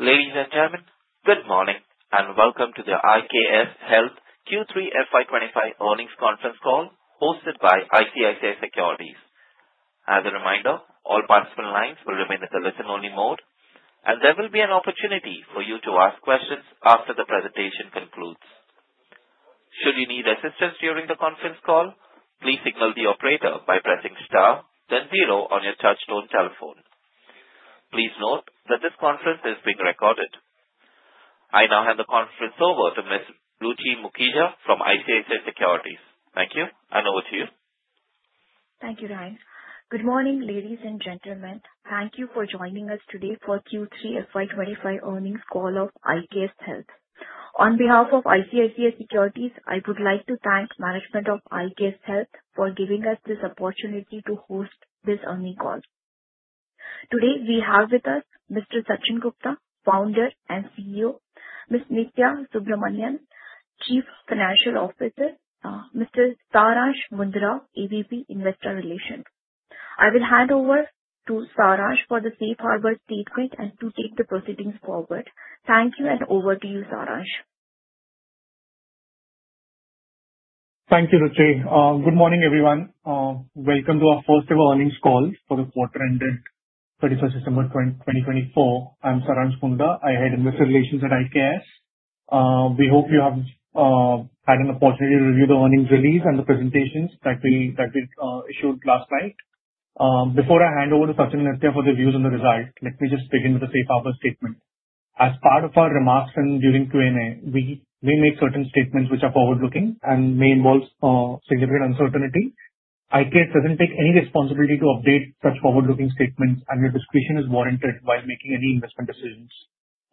Ladies, and gentlemen, good morning and welcome to the IKS Health Q3 FY 2025 Earnings Conference Call hosted by ICICI Securities. As a reminder, all participant lines will remain in the listen-only mode, and there will be an opportunity for you to ask questions after the presentation concludes. Should you need assistance during the conference call, please signal the operator by pressing star, then zero on your touch-tone telephone. Please note that this conference is being recorded. I now hand the conference over to Ms. Ruchi Mukhija from ICICI Securities. Thank you, and over to you. Thank you, Ryan. Good morning, ladies, and gentlemen. Thank you for joining us today for Q3 FY 2025 Earnings Call of IKS Health. On behalf of ICICI Securities, I would like to thank the management of IKS Health for giving us this opportunity to host this earnings call. Today, we have with us Mr. Sachin Gupta, Founder and CEO, Ms. Nithya Subramanian, Chief Financial Officer, and Mr. Siraj Mundra, AVP Investor Relations. I will hand over to Siraj for the safe harbor statement and to take the proceedings forward. Thank you, and over to you, Siraj. Thank you, Ruchi. Good morning, everyone. Welcome to our first ever earnings call for the quarter-ending 31st of December 2024. I'm Siraj Mundra. I head Investor Relations at IKS. We hope you have had an opportunity to review the earnings release and the presentations that we issued last night. Before I hand over to Sachin and Nithya for the views on the result, let me just begin with a safe harbor statement. As part of our remarks during Q&A, we may make certain statements which are forward-looking and may involve significant uncertainty. IKS doesn't take any responsibility to update such forward-looking statements, and your discretion is warranted while making any investment decisions.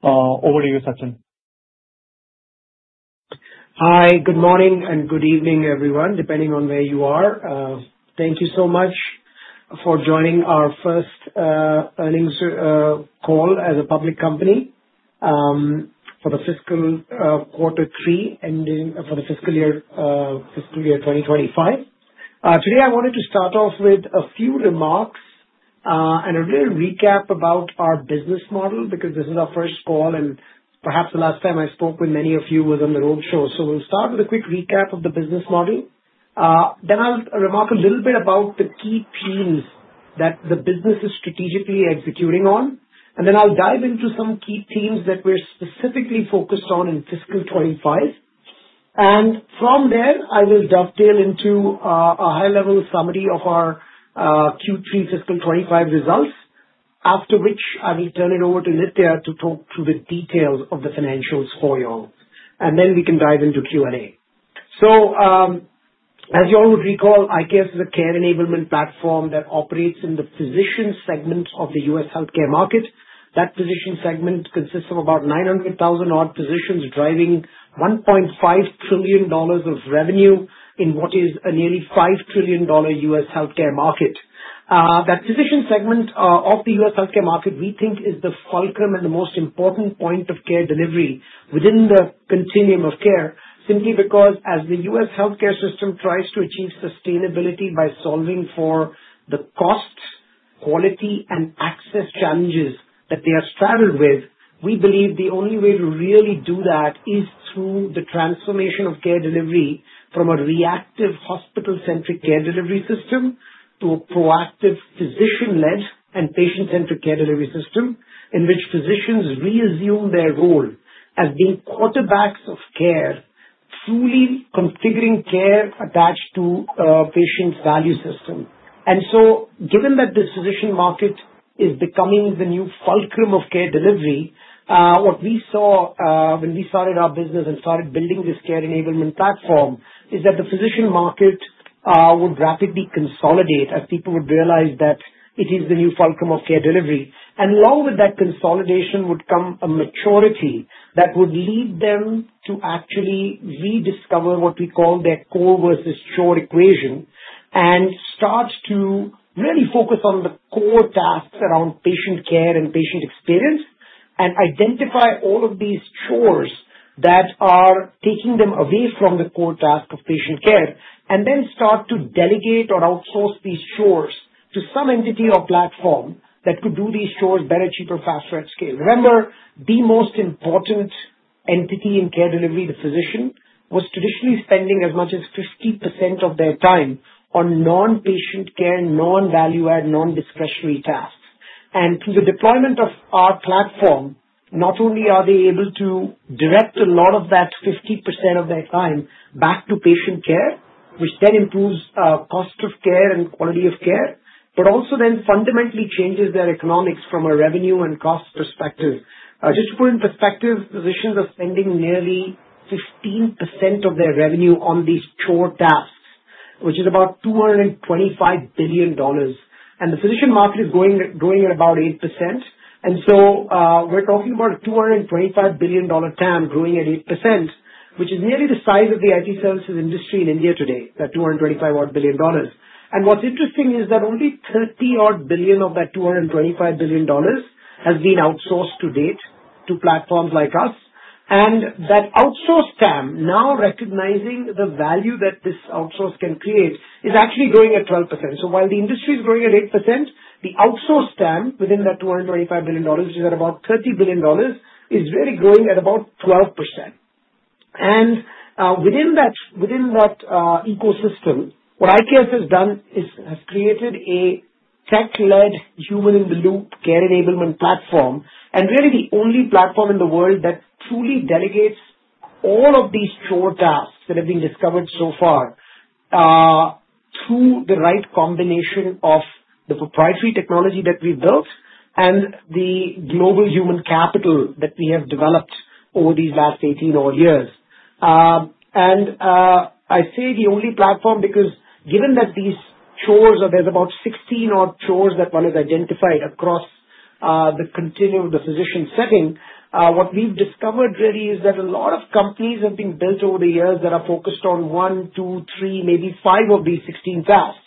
Over to you, Sachin. Hi, good morning, and good evening, everyone, depending on where you are. Thank you so much for joining our first earnings call as a public company for the fiscal quarter three ending for the fiscal year 2025. Today, I wanted to start off with a few remarks and a little recap about our business model because this is our first call, and perhaps the last time I spoke with many of you was on the roadshow. So we'll start with a quick recap of the business model. Then I'll remark a little bit about the key themes that the business is strategically executing on, and then I'll dive into some key themes that we're specifically focused on in fiscal 2025. From there, I will dovetail into a high-level summary of our Q3 fiscal 2025 results, after which I will turn it over to Nithya to talk through the details of the financials for you all, and then we can dive into Q&A. As you all would recall, IKS is a care enablement platform that operates in the physician segment of the U.S. healthcare market. That physician segment consists of about 900,000-odd physicians driving $1.5 trillion of revenue in what is a nearly $5 trillion U.S. healthcare market. That physician segment of the U.S. healthcare market, we think, is the fulcrum and the most important point of care delivery within the continuum of care, simply because as the U.S. healthcare system tries to achieve sustainability by solving for the cost, quality, and access challenges that they have struggled with, we believe the only way to really do that is through the transformation of care delivery from a reactive hospital-centric care delivery system to a proactive physician-led and patient-centric care delivery system in which physicians reassume their role as being quarterbacks of care, truly configuring care attached to patient value system. Given that this physician market is becoming the new fulcrum of care delivery, what we saw when we started our business and started building this care enablement platform is that the physician market would rapidly consolidate as people would realize that it is the new fulcrum of care delivery. Along with that consolidation would come a maturity that would lead them to actually rediscover what we call their core versus chore equation and start to really focus on the core tasks around patient care and patient experience and identify all of these chores that are taking them away from the core task of patient care and then start to delegate or outsource these chores to some entity or platform that could do these chores better, cheaper, faster, at scale. Remember, the most important entity in care delivery, the physician, was traditionally spending as much as 50% of their time on non-patient care, non-value-add, non-discretionary tasks. And through the deployment of our platform, not only are they able to direct a lot of that 50% of their time back to patient care, which then improves cost of care and quality of care, but also then fundamentally changes their economics from a revenue and cost perspective. Just to put it in perspective, physicians are spending nearly 15% of their revenue on these chore tasks, which is about $225 billion. And the physician market is growing at about 8%. And so we're talking about a $225 billion TAM growing at 8%, which is nearly the size of the IT services industry in India today, that $225-odd billion. What's interesting is that only $30-odd billion of that $225 billion has been outsourced to date to platforms like us. And that outsourced TAM, now recognizing the value that this outsourcing can create, is actually growing at 12%. So while the industry is growing at 8%, the outsourced TAM within that $225 billion, which is at about $30 billion, is really growing at about 12%. And within that ecosystem, what IKS has done is created a tech-led human-in-the-loop care enablement platform and really the only platform in the world that truly delegates all of these chore tasks that have been discovered so far through the right combination of the proprietary technology that we've built and the global human capital that we have developed over these last 18-odd years. And I say the only platform because given that these core areas, there's about 16-odd core areas that one has identified across the continuum of the physician setting. What we've discovered really is that a lot of companies have been built over the years that are focused on one, two, three, maybe five of these 16 tasks.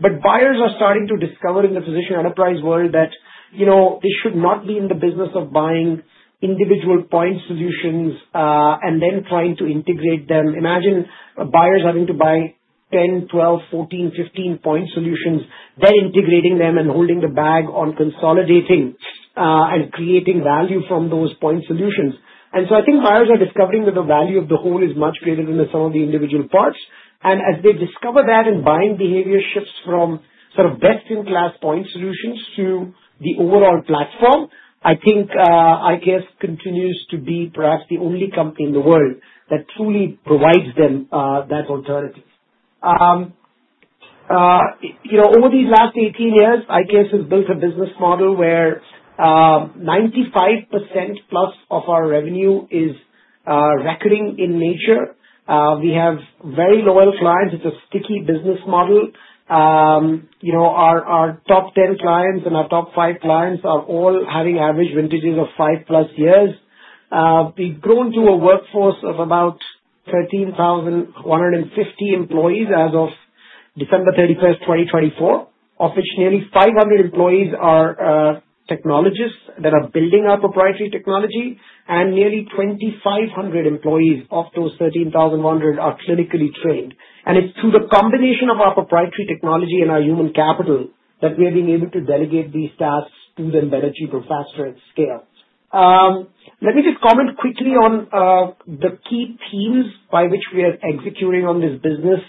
But buyers are starting to discover in the physician enterprise world that they should not be in the business of buying individual point solutions and then trying to integrate them. Imagine buyers having to buy 10, 12, 14, 15 point solutions, then integrating them and holding the bag on consolidating and creating value from those point solutions. And so I think buyers are discovering that the value of the whole is much greater than the sum of the individual parts. and as they discover that and buying behavior shifts from sort of best-in-class point solutions to the overall platform, I think IKS continues to be perhaps the only company in the world that truly provides them that alternative. Over these last 18 years, IKS has built a business model where 95%+ of our revenue is recurring in nature. We have very loyal clients. It's a sticky business model. Our top 10 clients and our top 5 clients are all having average vintages of 5+ years. We've grown to a workforce of about 13,150 employees as of December 31st, 2024, of which nearly 500 employees are technologists that are building our proprietary technology, and nearly 2,500 employees of those 13,100 are clinically trained. It's through the combination of our proprietary technology and our human capital that we are being able to delegate these tasks to them better, cheaper, faster, at scale. Let me just comment quickly on the key themes by which we are executing on this business,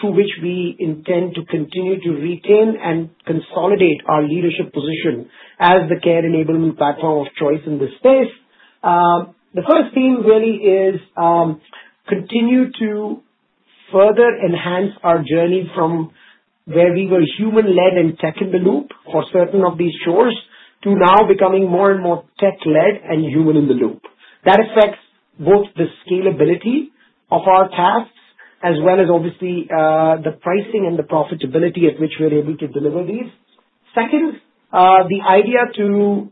through which we intend to continue to retain and consolidate our leadership position as the care enablement platform of choice in this space. The first theme really is continue to further enhance our journey from where we were human-led and tech-in-the-loop for certain of these chores to now becoming more and more tech-led and human-in-the-loop. That affects both the scalability of our tasks as well as, obviously, the pricing and the profitability at which we are able to deliver these. Second, the idea to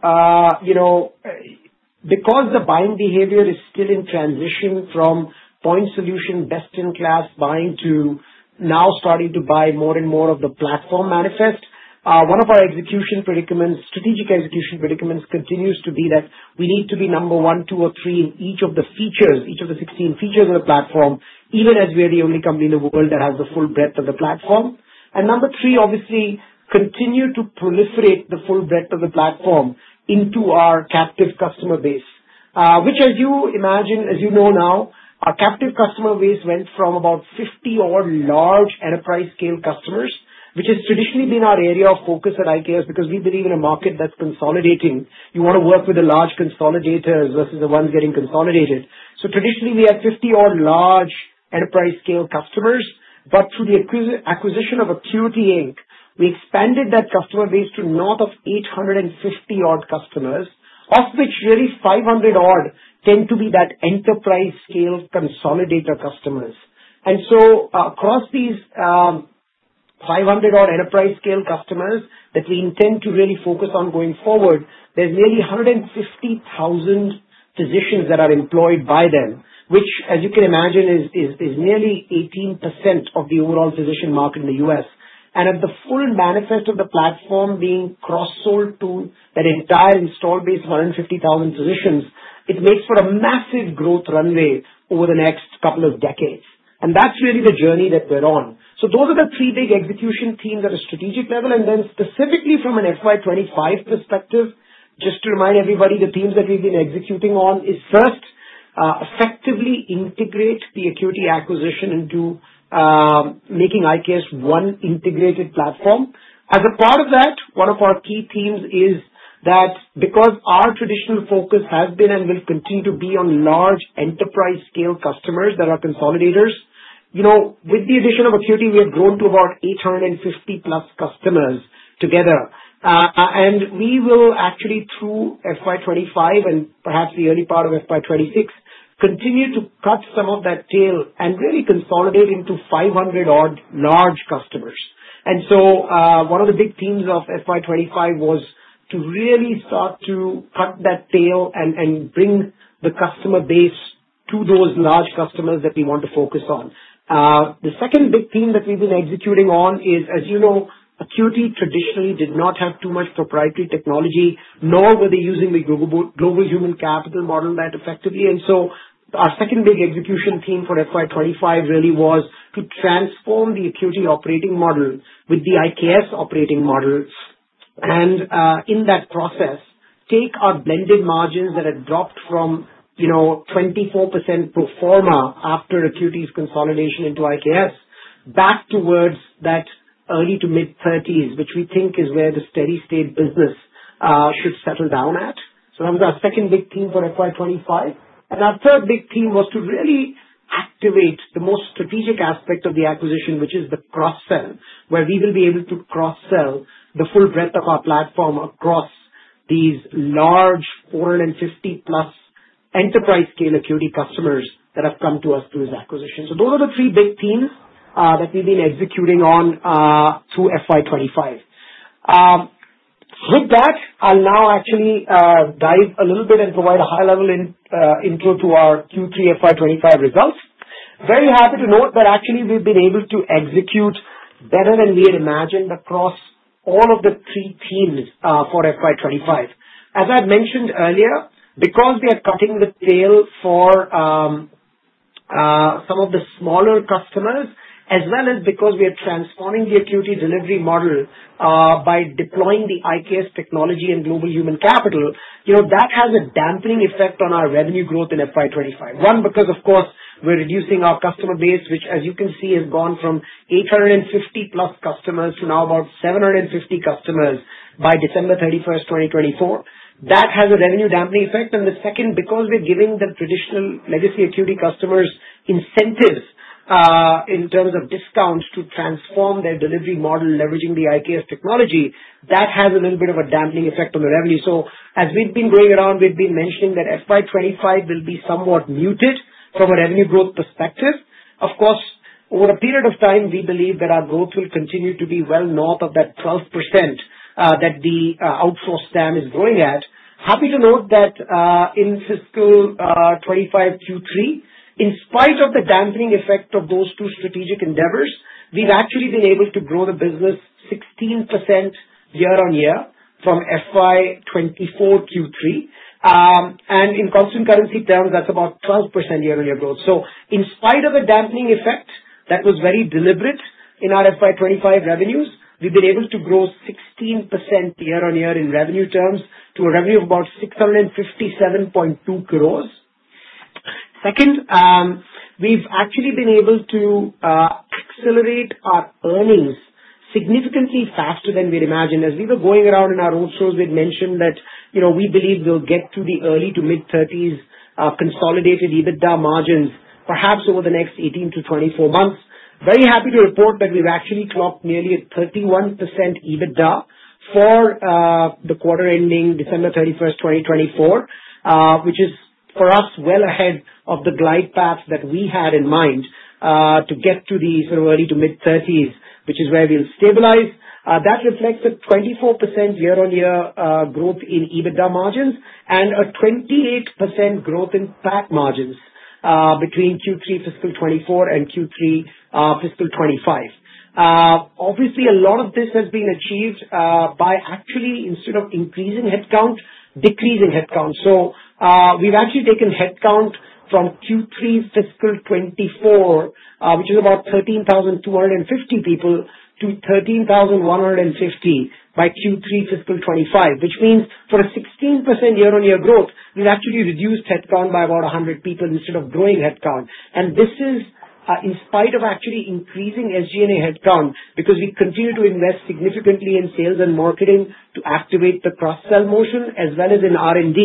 because the buying behavior is still in transition from point solution, best-in-class buying, to now starting to buy more and more of the platform manifest. One of our strategic execution predicaments continues to be that we need to be number one, two, or three in each of the features, each of the 16 features of the platform, even as we are the only company in the world that has the full breadth of the platform. And number three, obviously, continue to proliferate the full breadth of the platform into our captive customer base, which, as you imagine, as you know now, our captive customer base went from about 50-odd large enterprise-scale customers, which has traditionally been our area of focus at IKS because we believe in a market that's consolidating. You want to work with the large consolidators versus the ones getting consolidated. So traditionally, we had 50-odd large enterprise-scale customers, but through the acquisition of AQuity Inc, we expanded that customer base to north of 850-odd customers, of which nearly 500-odd tend to be that enterprise-scale consolidator customers. And so across these 500-odd enterprise-scale customers that we intend to really focus on going forward, there's nearly 150,000 physicians that are employed by them, which, as you can imagine, is nearly 18% of the overall physician market in the U.S. And as the full manifest of the platform being cross-sold to that entire installed base of 150,000 physicians, it makes for a massive growth runway over the next couple of decades. And that's really the journey that we're on. So those are the three big execution themes at a strategic level. And then specifically from an FY 2025 perspective, just to remind everybody, the themes that we've been executing on is first, effectively integrate the AQuity acquisition into making IKS one integrated platform. As a part of that, one of our key themes is that because our traditional focus has been and will continue to be on large enterprise-scale customers that are consolidators, with the addition of AQuity, we have grown to about 850-plus customers together. And we will actually, through FY 2025 and perhaps the early part of FY 2026, continue to cut some of that tail and really consolidate into 500-odd large customers. And so one of the big themes of FY 2025 was to really start to cut that tail and bring the customer base to those large customers that we want to focus on. The second big theme that we've been executing on is, as you know, AQuity traditionally did not have too much proprietary technology, nor were they using the global human capital model that effectively, and in that process, take our blended margins that had dropped from 24% pro forma after AQuity's consolidation into IKS back towards that early to mid-30s, which we think is where the steady-state business should settle down at. That was our second big theme for FY 2025. Our third big theme was to really activate the most strategic aspect of the acquisition, which is the cross-sell, where we will be able to cross-sell the full breadth of our platform across these large 450+ enterprise-scale AQuity customers that have come to us through this acquisition. So those are the three big themes that we've been executing on through FY 2025. With that, I'll now actually dive a little bit and provide a high-level intro to our Q3 FY 2025 results. Very happy to note that actually we've been able to execute better than we had imagined across all of the three themes for FY 2025. As I've mentioned earlier, because we are cutting the tail for some of the smaller customers, as well as because we are transforming the AQuity delivery model by deploying the IKS technology and global human capital, that has a dampening effect on our revenue growth in FY 2025. One, because, of course, we're reducing our customer base, which, as you can see, has gone from 850-plus customers to now about 750 customers by December 31st, 2024. That has a revenue dampening effect. The second, because we're giving the traditional legacy AQuity customers incentives in terms of discounts to transform their delivery model leveraging the IKS technology, that has a little bit of a dampening effect on the revenue. So as we've been going around, we've been mentioning that FY 2025 will be somewhat muted from a revenue growth perspective. Of course, over a period of time, we believe that our growth will continue to be well north of that 12% that the outsource TAM is growing at. Happy to note that in fiscal 2025 Q3, in spite of the dampening effect of those two strategic endeavors, we've actually been able to grow the business 16% year-on-year from FY 2024 Q3. In constant currency terms, that's about 12% year-on-year growth. In spite of the dampening effect that was very deliberate in our FY 2025 revenues, we've been able to grow 16% year-on-year in revenue terms to a revenue of about 657.2 crores. Second, we've actually been able to accelerate our earnings significantly faster than we'd imagined. As we were going around in our roadshows, we'd mentioned that we believe we'll get to the early to mid-30s consolidated EBITDA margins, perhaps over the next 18-24 months. Very happy to report that we've actually clocked nearly a 31% EBITDA for the quarter ending December 31st, 2024, which is, for us, well ahead of the glide path that we had in mind to get to the sort of early to mid-30s, which is where we'll stabilize. That reflects a 24% year-on-year growth in EBITDA margins and a 28% growth in PAT margins between Q3 fiscal 24 and Q3 fiscal 25. Obviously, a lot of this has been achieved by actually, instead of increasing headcount, decreasing headcount. So we've actually taken headcount from Q3 fiscal 2024, which is about 13,250 people, to 13,150 by Q3 fiscal 2025, which means for a 16% year-on-year growth, we've actually reduced headcount by about 100 people instead of growing headcount. And this is in spite of actually increasing SG&A headcount because we continue to invest significantly in sales and marketing to activate the cross-sell motion, as well as in R&D,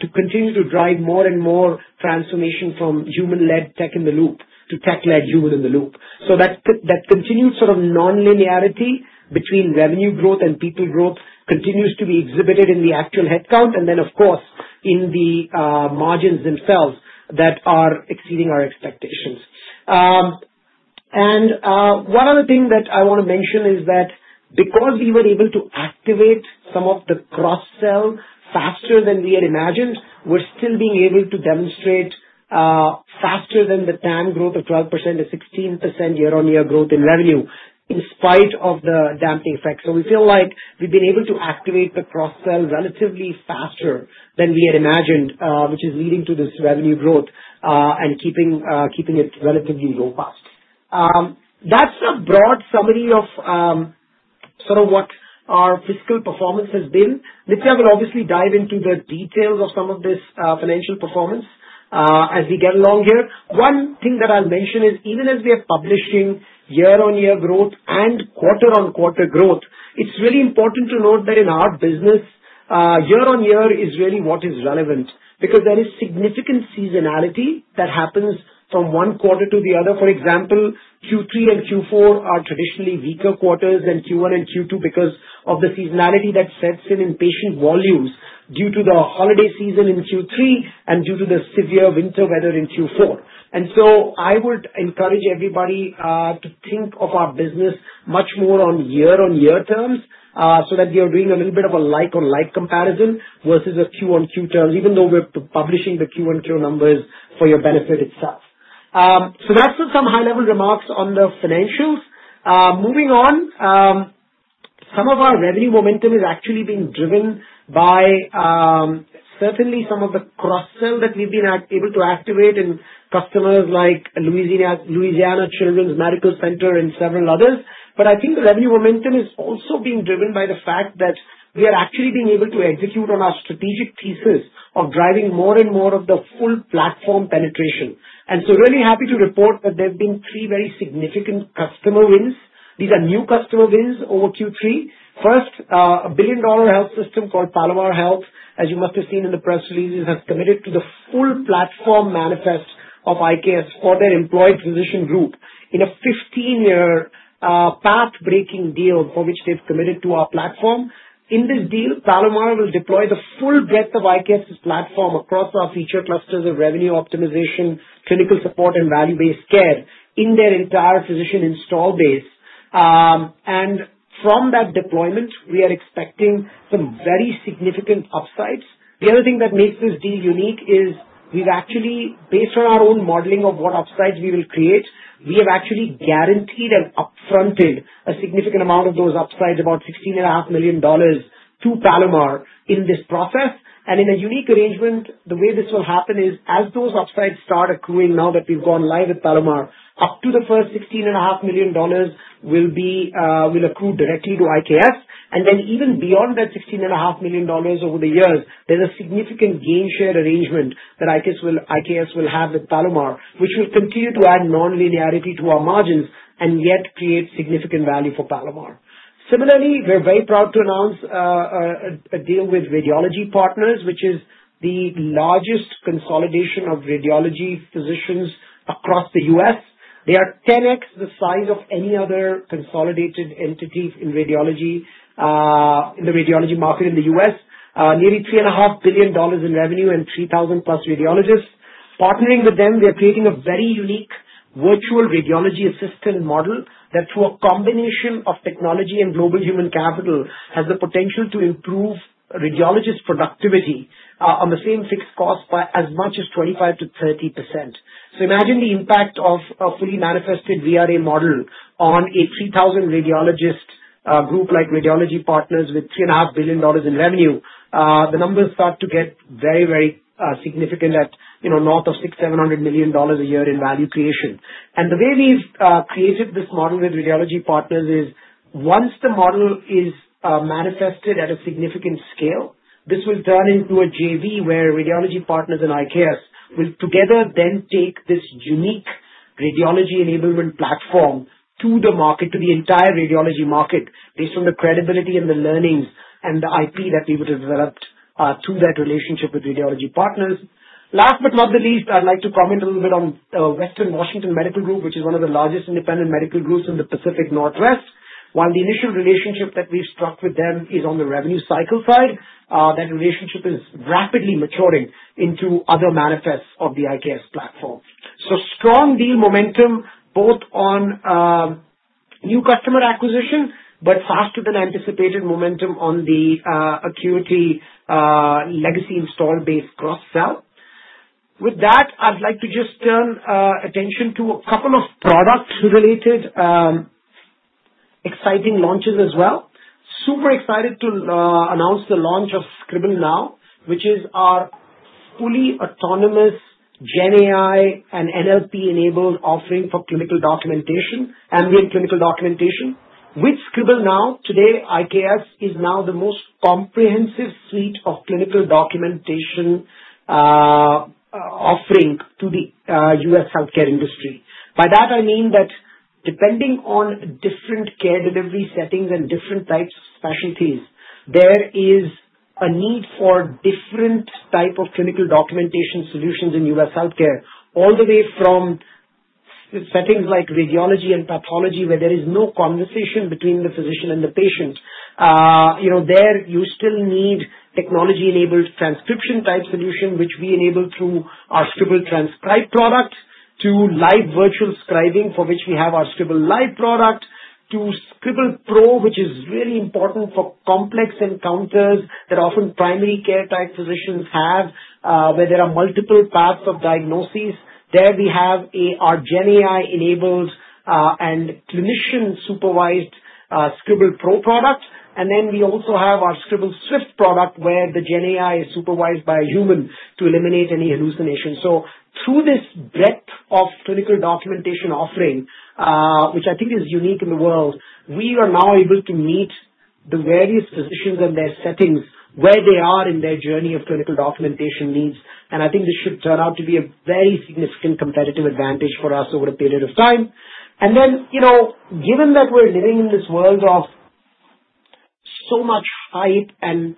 to continue to drive more and more transformation from human-led tech-in-the-loop to tech-led human-in-the-loop. So that continued sort of non-linearity between revenue growth and people growth continues to be exhibited in the actual headcount and then, of course, in the margins themselves that are exceeding our expectations. One other thing that I want to mention is that because we were able to activate some of the cross-sell faster than we had imagined, we're still being able to demonstrate faster than the TAM growth of 12%-16% year-on-year growth in revenue in spite of the dampening effect. So we feel like we've been able to activate the cross-sell relatively faster than we had imagined, which is leading to this revenue growth and keeping it relatively robust. That's a broad summary of sort of what our fiscal performance has been. Nithya will obviously dive into the details of some of this financial performance as we get along here. One thing that I'll mention is, even as we are publishing year-on-year growth and quarter-on-quarter growth, it's really important to note that in our business, year-on-year is really what is relevant because there is significant seasonality that happens from one quarter to the other. For example, Q3 and Q4 are traditionally weaker quarters than Q1 and Q2 because of the seasonality that sets in in patient volumes due to the holiday season in Q3 and due to the severe winter weather in Q4. And so I would encourage everybody to think of our business much more on year-on-year terms so that you're doing a little bit of a like-on-like comparison versus a Q-on-Q terms, even though we're publishing the Q-on-Q numbers for your benefit itself. So that's some high-level remarks on the financials. Moving on, some of our revenue momentum is actually being driven by certainly some of the cross-sell that we've been able to activate in customers like Louisiana Children's Medical Center and several others. But I think the revenue momentum is also being driven by the fact that we are actually being able to execute on our strategic thesis of driving more and more of the full platform penetration. And so really happy to report that there have been three very significant customer wins. These are new customer wins over Q3. First, a billion-dollar health system called Palomar Health, as you must have seen in the press releases, has committed to the full platform manifest of IKS for their employed physician group in a 15-year path-breaking deal for which they've committed to our platform. In this deal, Palomar will deploy the full breadth of IKS's platform across our feature clusters of revenue optimization, clinical support, and value-based care in their entire physician install base. And from that deployment, we are expecting some very significant upsides. The other thing that makes this deal unique is we've actually, based on our own modeling of what upsides we will create, we have actually guaranteed and upfronted a significant amount of those upsides, about $16.5 million, to Palomar in this process. And in a unique arrangement, the way this will happen is, as those upsides start accruing now that we've gone live with Palomar, up to the first $16.5 million will accrue directly to IKS. Then even beyond that $16.5 million over the years, there's a significant gain share arrangement that IKS will have with Palomar, which will continue to add non-linearity to our margins and yet create significant value for Palomar. Similarly, we're very proud to announce a deal with Radiology Partners, which is the largest consolidation of radiology physicians across the U.S. They are 10x the size of any other consolidated entity in radiology in the radiology market in the U.S., nearly $3.5 billion in revenue and 3,000+ radiologists. Partnering with them, they're creating a very unique Virtual Radiology Assistant model that, through a combination of technology and global human capital, has the potential to improve radiologists' productivity on the same fixed cost by as much as 25%-30%. So imagine the impact of a fully manifested VRA model on a 3,000-radiologist group like Radiology Partners with $3.5 billion in revenue. The numbers start to get very, very significant at north of $6.7 billion a year in value creation. And the way we've created this model with Radiology Partners is, once the model is manifested at a significant scale, this will turn into a JV where Radiology Partners and IKS will together then take this unique radiology enablement platform to the market, to the entire radiology market, based on the credibility and the learnings and the IP that we would have developed through that relationship with Radiology Partners. Last but not the least, I'd like to comment a little bit on Western Washington Medical Group, which is one of the largest independent medical groups in the Pacific Northwest. While the initial relationship that we've struck with them is on the revenue cycle side, that relationship is rapidly maturing into other manifests of the IKS platform, so strong deal momentum both on new customer acquisition, but faster-than-anticipated momentum on the AQuity legacy install-based cross-sell. With that, I'd like to just turn attention to a couple of product-related exciting launches as well. Super excited to announce the launch of Scribble Now, which is our fully autonomous GenAI and NLP-enabled offering for clinical documentation, ambient clinical documentation. With Scribble Now, today, IKS is now the most comprehensive suite of clinical documentation offering to the U.S. healthcare industry. By that, I mean that depending on different care delivery settings and different types of specialties, there is a need for different types of clinical documentation solutions in U.S. healthcare, all the way from settings like radiology and pathology, where there is no conversation between the physician and the patient. There, you still need technology-enabled transcription-type solution, which we enable through our Scribble Transcribe product, to live virtual scribing, for which we have our Scribble Live product, to Scribble Pro, which is really important for complex encounters that often primary care-type physicians have, where there are multiple paths of diagnosis. There we have our GenAI-enabled and clinician-supervised Scribble Pro product. And then we also have our Scribble Swift product, where the GenAI is supervised by a human to eliminate any hallucinations. Through this breadth of clinical documentation offering, which I think is unique in the world, we are now able to meet the various physicians and their settings, where they are in their journey of clinical documentation needs. And I think this should turn out to be a very significant competitive advantage for us over a period of time. And then, given that we're living in this world of so much hype and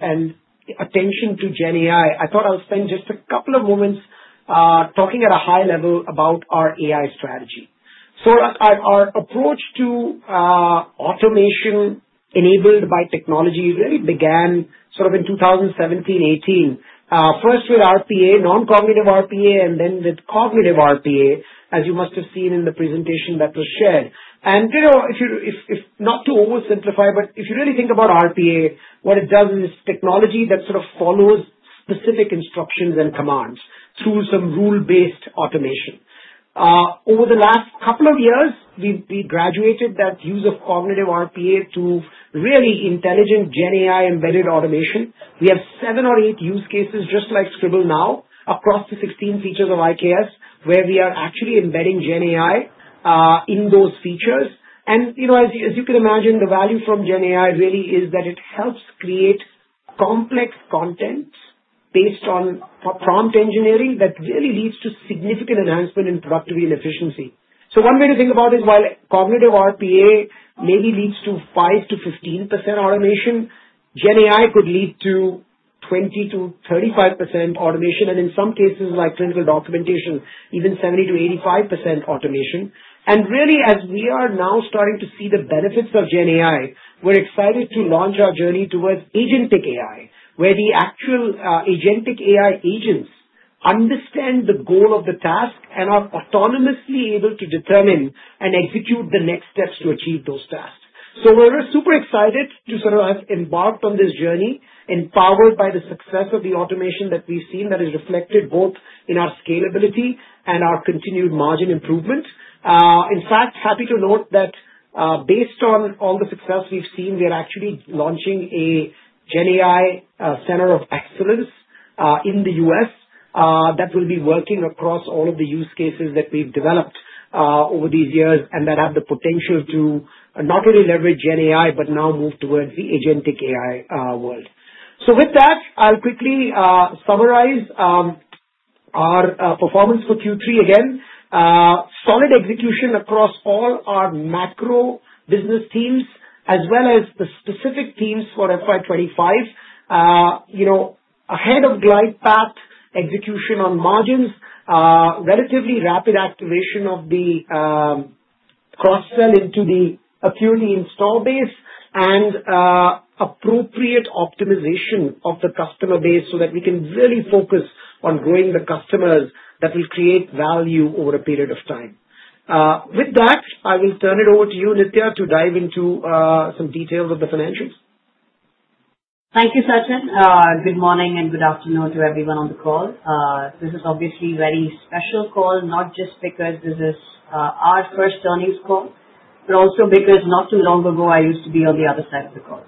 attention to GenAI, I thought I'll spend just a couple of moments talking at a high level about our AI strategy. Our approach to automation enabled by technology really began sort of in 2017, 2018, first with RPA, non-cognitive RPA, and then with cognitive RPA, as you must have seen in the presentation that was shared. And not to oversimplify, but if you really think about RPA, what it does is technology that sort of follows specific instructions and commands through some rule-based automation. Over the last couple of years, we've graduated that use of cognitive RPA to really intelligent GenAI embedded automation. We have seven or eight use cases, just like Scribble Now, across the 16 features of IKS, where we are actually embedding GenAI in those features. And as you can imagine, the value from GenAI really is that it helps create complex content based on prompt engineering that really leads to significant enhancement in productivity and efficiency. So one way to think about it is, while cognitive RPA maybe leads to 5%-15% automation, GenAI could lead to 20%-35% automation, and in some cases, like clinical documentation, even 70%-85% automation. Really, as we are now starting to see the benefits of GenAI, we're excited to launch our journey towards agentic AI, where the actual agentic AI agents understand the goal of the task and are autonomously able to determine and execute the next steps to achieve those tasks. We're super excited to sort of have embarked on this journey, empowered by the success of the automation that we've seen that is reflected both in our scalability and our continued margin improvement. In fact, happy to note that based on all the success we've seen, we are actually launching a GenAI Center of Excellence in the U.S. that will be working across all of the use cases that we've developed over these years and that have the potential to not only leverage GenAI but now move towards the agentic AI world. So with that, I'll quickly summarize our performance for Q3 again. Solid execution across all our macro business teams, as well as the specific teams for FY 2025. Ahead of glide path execution on margins, relatively rapid activation of the cross-sell into the AQuity install base, and appropriate optimization of the customer base so that we can really focus on growing the customers that will create value over a period of time. With that, I will turn it over to you, Nithya, to dive into some details of the financials. Thank you, Sachin. Good morning and good afternoon to everyone on the call. This is obviously a very special call, not just because this is our first earnings call, but also because not too long ago, I used to be on the other side of the call.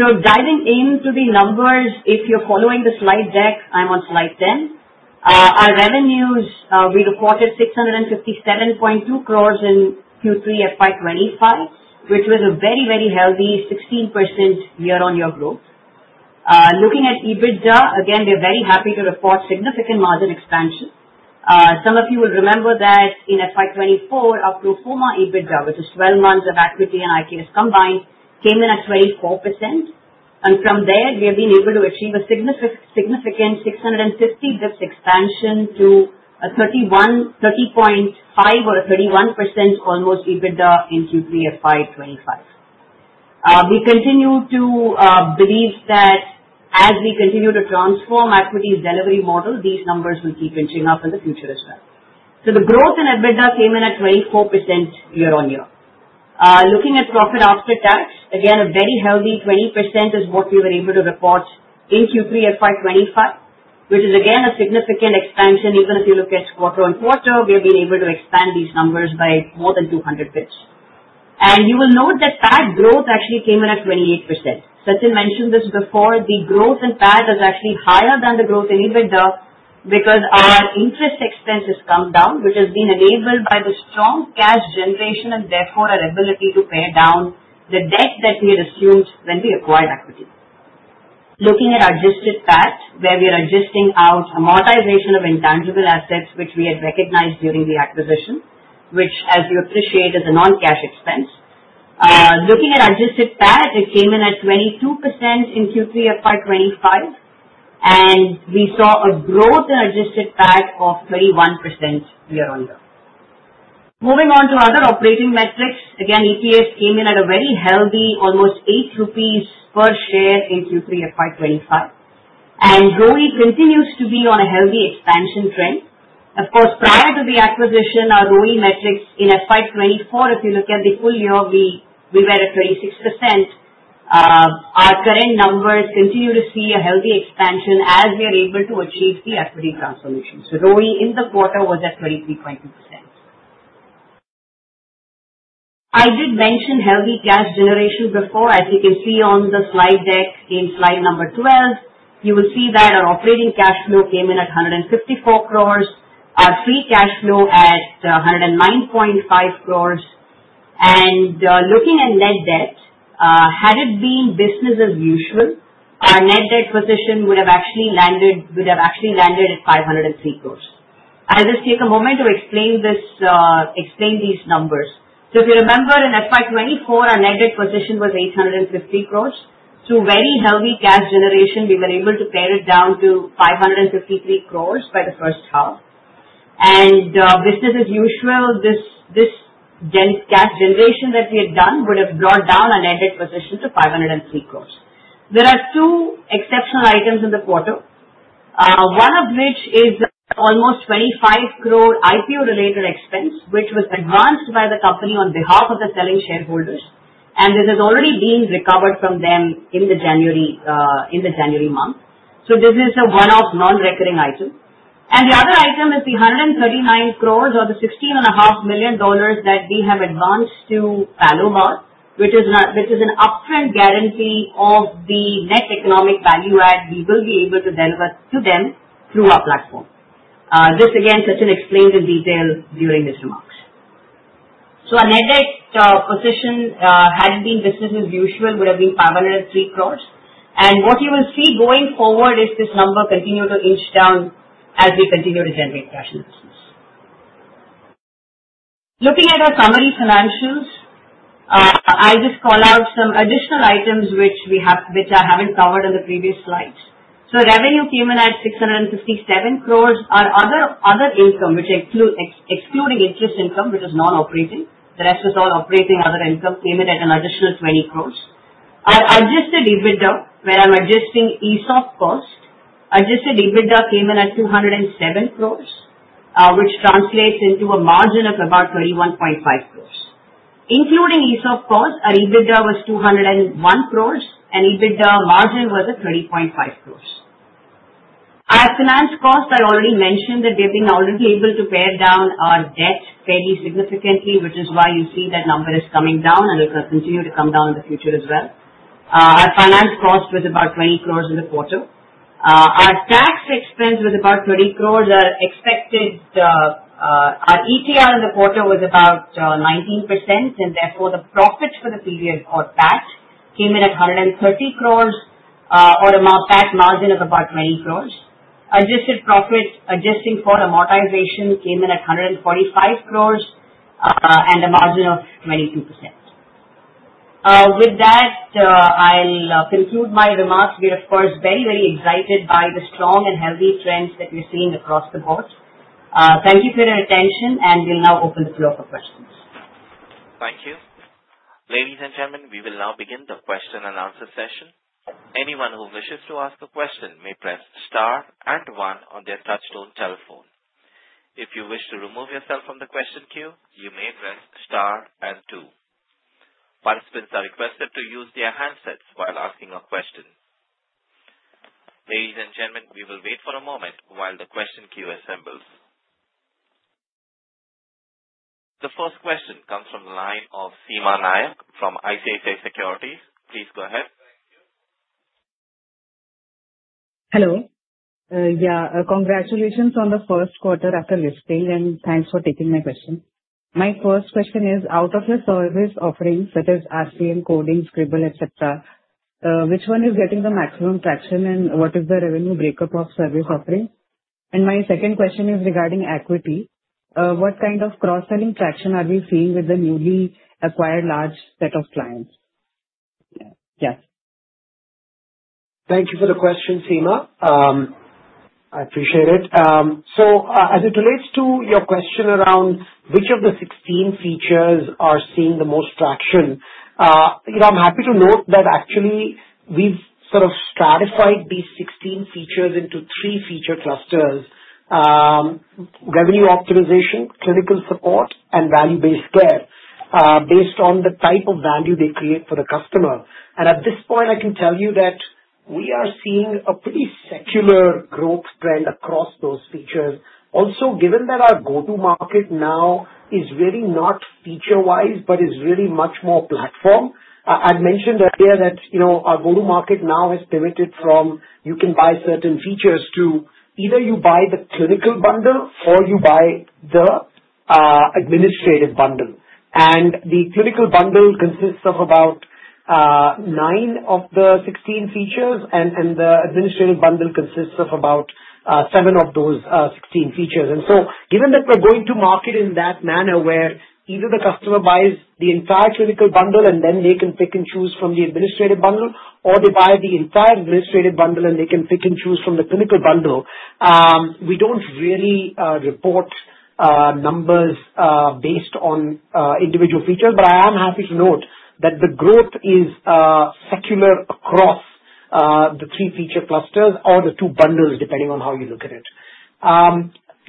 So diving into the numbers, if you're following the slide deck, I'm on slide 10. Our revenues, we reported 657.2 crores in Q3 FY 2025, which was a very, very healthy 16% year-on-year growth. Looking at EBITDA, again, we're very happy to report significant margin expansion. Some of you will remember that in FY 2024, our pro forma EBITDA, which is 12 months of equity and IKS combined, came in at 24%. And from there, we have been able to achieve a significant 650 basis points expansion to a 30.5 or 31% almost EBITDA in Q3 FY 2025. We continue to believe that as we continue to transform equity's delivery model, these numbers will keep inching up in the future as well. So the growth in EBITDA came in at 24% year-on-year. Looking at profit after tax, again, a very healthy 20% is what we were able to report in Q3 FY 2025, which is again a significant expansion. Even if you look at quarter-on-quarter, we have been able to expand these numbers by more than 200 basis points. And you will note that PAT growth actually came in at 28%. Sachin mentioned this before. The growth in PAT is actually higher than the growth in EBITDA because our interest expenses come down, which has been enabled by the strong cash generation and therefore our ability to pay down the debt that we had assumed when we acquired AQuity. Looking at our Adjusted PAT, where we are adjusting out amortization of intangible assets, which we had recognized during the acquisition, which, as you appreciate, is a non-cash expense. Looking at our Adjusted PAT, it came in at 22% in Q3 FY 2025, and we saw a growth in Adjusted PAT of 31% year-on-year. Moving on to other operating metrics, again, EPS came in at a very healthy, almost eight rupees per share in Q3 FY 2025, and ROI continues to be on a healthy expansion trend. Of course, prior to the acquisition, our ROI metrics in FY 2024, if you look at the full year, we were at 26%. Our current numbers continue to see a healthy expansion as we are able to achieve the equity transformation, so ROI in the quarter was at 23.2%. I did mention healthy cash generation before. As you can see on the slide deck in slide number 12, you will see that our operating cash flow came in at 154 crores, our free cash flow at 109.5 crores. Looking at net debt, had it been business as usual, our net debt position would have actually landed at 503 crores. I'll just take a moment to explain these numbers. If you remember, in FY 2024, our net debt position was 850 crores. Through very healthy cash generation, we were able to pare it down to 553 crores by the first half. Business as usual, this cash generation that we had done would have brought down our net debt position to 503 crores. There are two exceptional items in the quarter, one of which is almost 25 crore IPO-related expense, which was advanced by the company on behalf of the selling shareholders, and this has already been recovered from them in the January month. This is a one-off non-recurring item. The other item is the 139 crores or the $16.5 million that we have advanced to Palomar Health, which is an upfront guarantee of the net economic value add we will be able to deliver to them through our platform. This, again, Sachin explained in detail during his remarks. Our net debt position, had it been business as usual, would have been 503 crores. What you will see going forward is this number continue to inch down as we continue to generate cash in the business. Looking at our summary financials, I'll just call out some additional items which I haven't covered on the previous slides. Revenue came in at 657 crores. Our other income, which excluding interest income, which is non-operating, the rest is all operating other income, came in at an additional 20 crores. Our Adjusted EBITDA, where I'm adjusting ESOP cost, Adjusted EBITDA came in at 207 crores, which translates into a margin of about 31.5%. Including ESOP cost, our EBITDA was 201 crores, and EBITDA margin was at 30.5%. Our finance cost, I already mentioned that we have been already able to pay down our debt fairly significantly, which is why you see that number is coming down, and it will continue to come down in the future as well. Our finance cost was about 20 crores in the quarter. Our tax expense was about 30 crores. Our ETR in the quarter was about 19%, and therefore the profit for the period called PAT came in at 130 crores or a PAT margin of about 20%. Adjusted profit, adjusting for amortization, came in at 145 crores and a margin of 22%. With that, I'll conclude my remarks. We are, of course, very, very excited by the strong and healthy trends that we're seeing across the board. Thank you for your attention, and we'll now open the floor for questions. Thank you. Ladies and gentlemen, we will now begin the question and answer session. Anyone who wishes to ask a question may press star and one on their touch-tone telephone. If you wish to remove yourself from the question queue, you may press star and two. Participants are requested to use their handsets while asking a question. Ladies, and gentlemen, we will wait for a moment while the question queue assembles. The first question comes from the line of Seema Nayak from ICICI Securities. Please go ahead. Hello. Yeah, congratulations on the first quarter after listing, and thanks for taking my question. My first question is, out of the service offerings, such as RCM, Coding, Scribble, et cetera, which one is getting the maximum traction, and what is the revenue breakdown of service offerings? My second question is regarding acquisitions. What kind of cross-selling traction are we seeing with the newly acquired large set of clients? Yeah. Thank you for the question, Seema. I appreciate it. So as it relates to your question around which of the 16 features are seeing the most traction, I'm happy to note that actually we've sort of stratified these 16 features into three feature clusters: revenue optimization, clinical support, and value-based care based on the type of value they create for the customer. And at this point, I can tell you that we are seeing a pretty secular growth trend across those features. Also, given that our go-to-market now is really not feature-wise, but is really much more platform. I'd mentioned earlier that our go-to-market now has pivoted from you can buy certain features to either you buy the clinical bundle or you buy the administrative bundle. And the clinical bundle consists of about nine of the 16 features, and the administrative bundle consists of about seven of those 16 features. And so given that we're going to market in that manner where either the customer buys the entire clinical bundle and then they can pick and choose from the administrative bundle, or they buy the entire administrative bundle and they can pick and choose from the clinical bundle, we don't really report numbers based on individual features. But I am happy to note that the growth is secular across the three feature clusters or the two bundles, depending on how you look at it.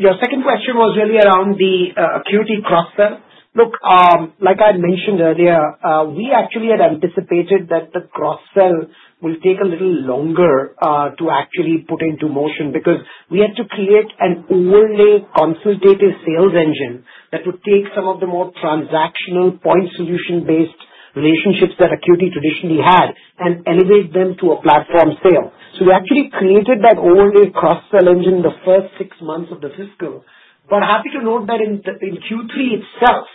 Your second question was really around the AQuity cross-sell. Look, like I had mentioned earlier, we actually had anticipated that the cross-sell will take a little longer to actually put into motion because we had to create an overlay consultative sales engine that would take some of the more transactional point solution-based relationships that AQuity traditionally had and elevate them to a platform sale. So we actually created that overlay cross-sell engine the first six months of the fiscal. But happy to note that in Q3 itself,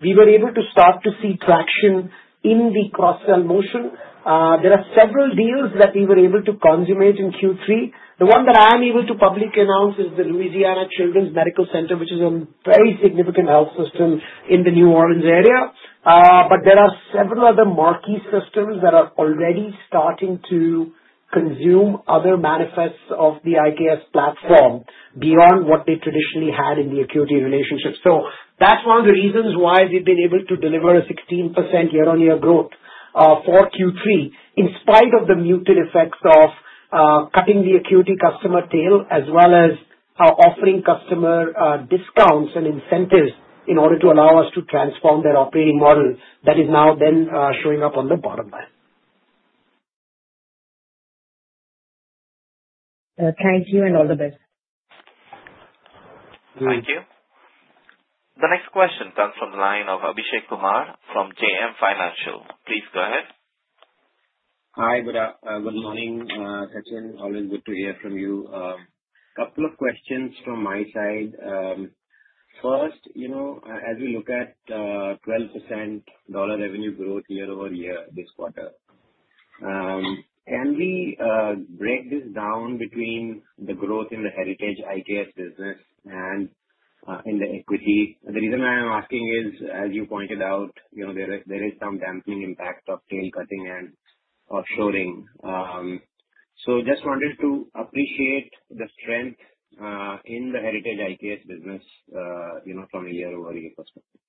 we were able to start to see traction in the cross-sell motion. There are several deals that we were able to consummate in Q3. The one that I am able to publicly announce is the Louisiana Children's Medical Center, which is a very significant health system in the New Orleans area. But there are several other marquee systems that are already starting to consume other manifests of the IKS platform beyond what they traditionally had in the AQuity relationship. So that's one of the reasons why we've been able to deliver a 16% year-on-year growth for Q3, in spite of the muted effects of cutting the AQuity customer tail, as well as offering customer discounts and incentives in order to allow us to transform their operating model that is now then showing up on the bottom line. Thank you and all the best. Thank you. The next question comes from the line of Abhishek Kumar from JM Financial. Please go ahead. Hi, good morning, Sachin. Always good to hear from you. A couple of questions from my side. First, as we look at 12% revenue growth year-over-year this quarter, can we break this down between the growth in the heritage IKS business and in the AQuity? The reason I am asking is, as you pointed out, there is some dampening impact of tail cutting and offshoring. So just wanted to appreciate the strength in the heritage IKS business from a year-over-year perspective.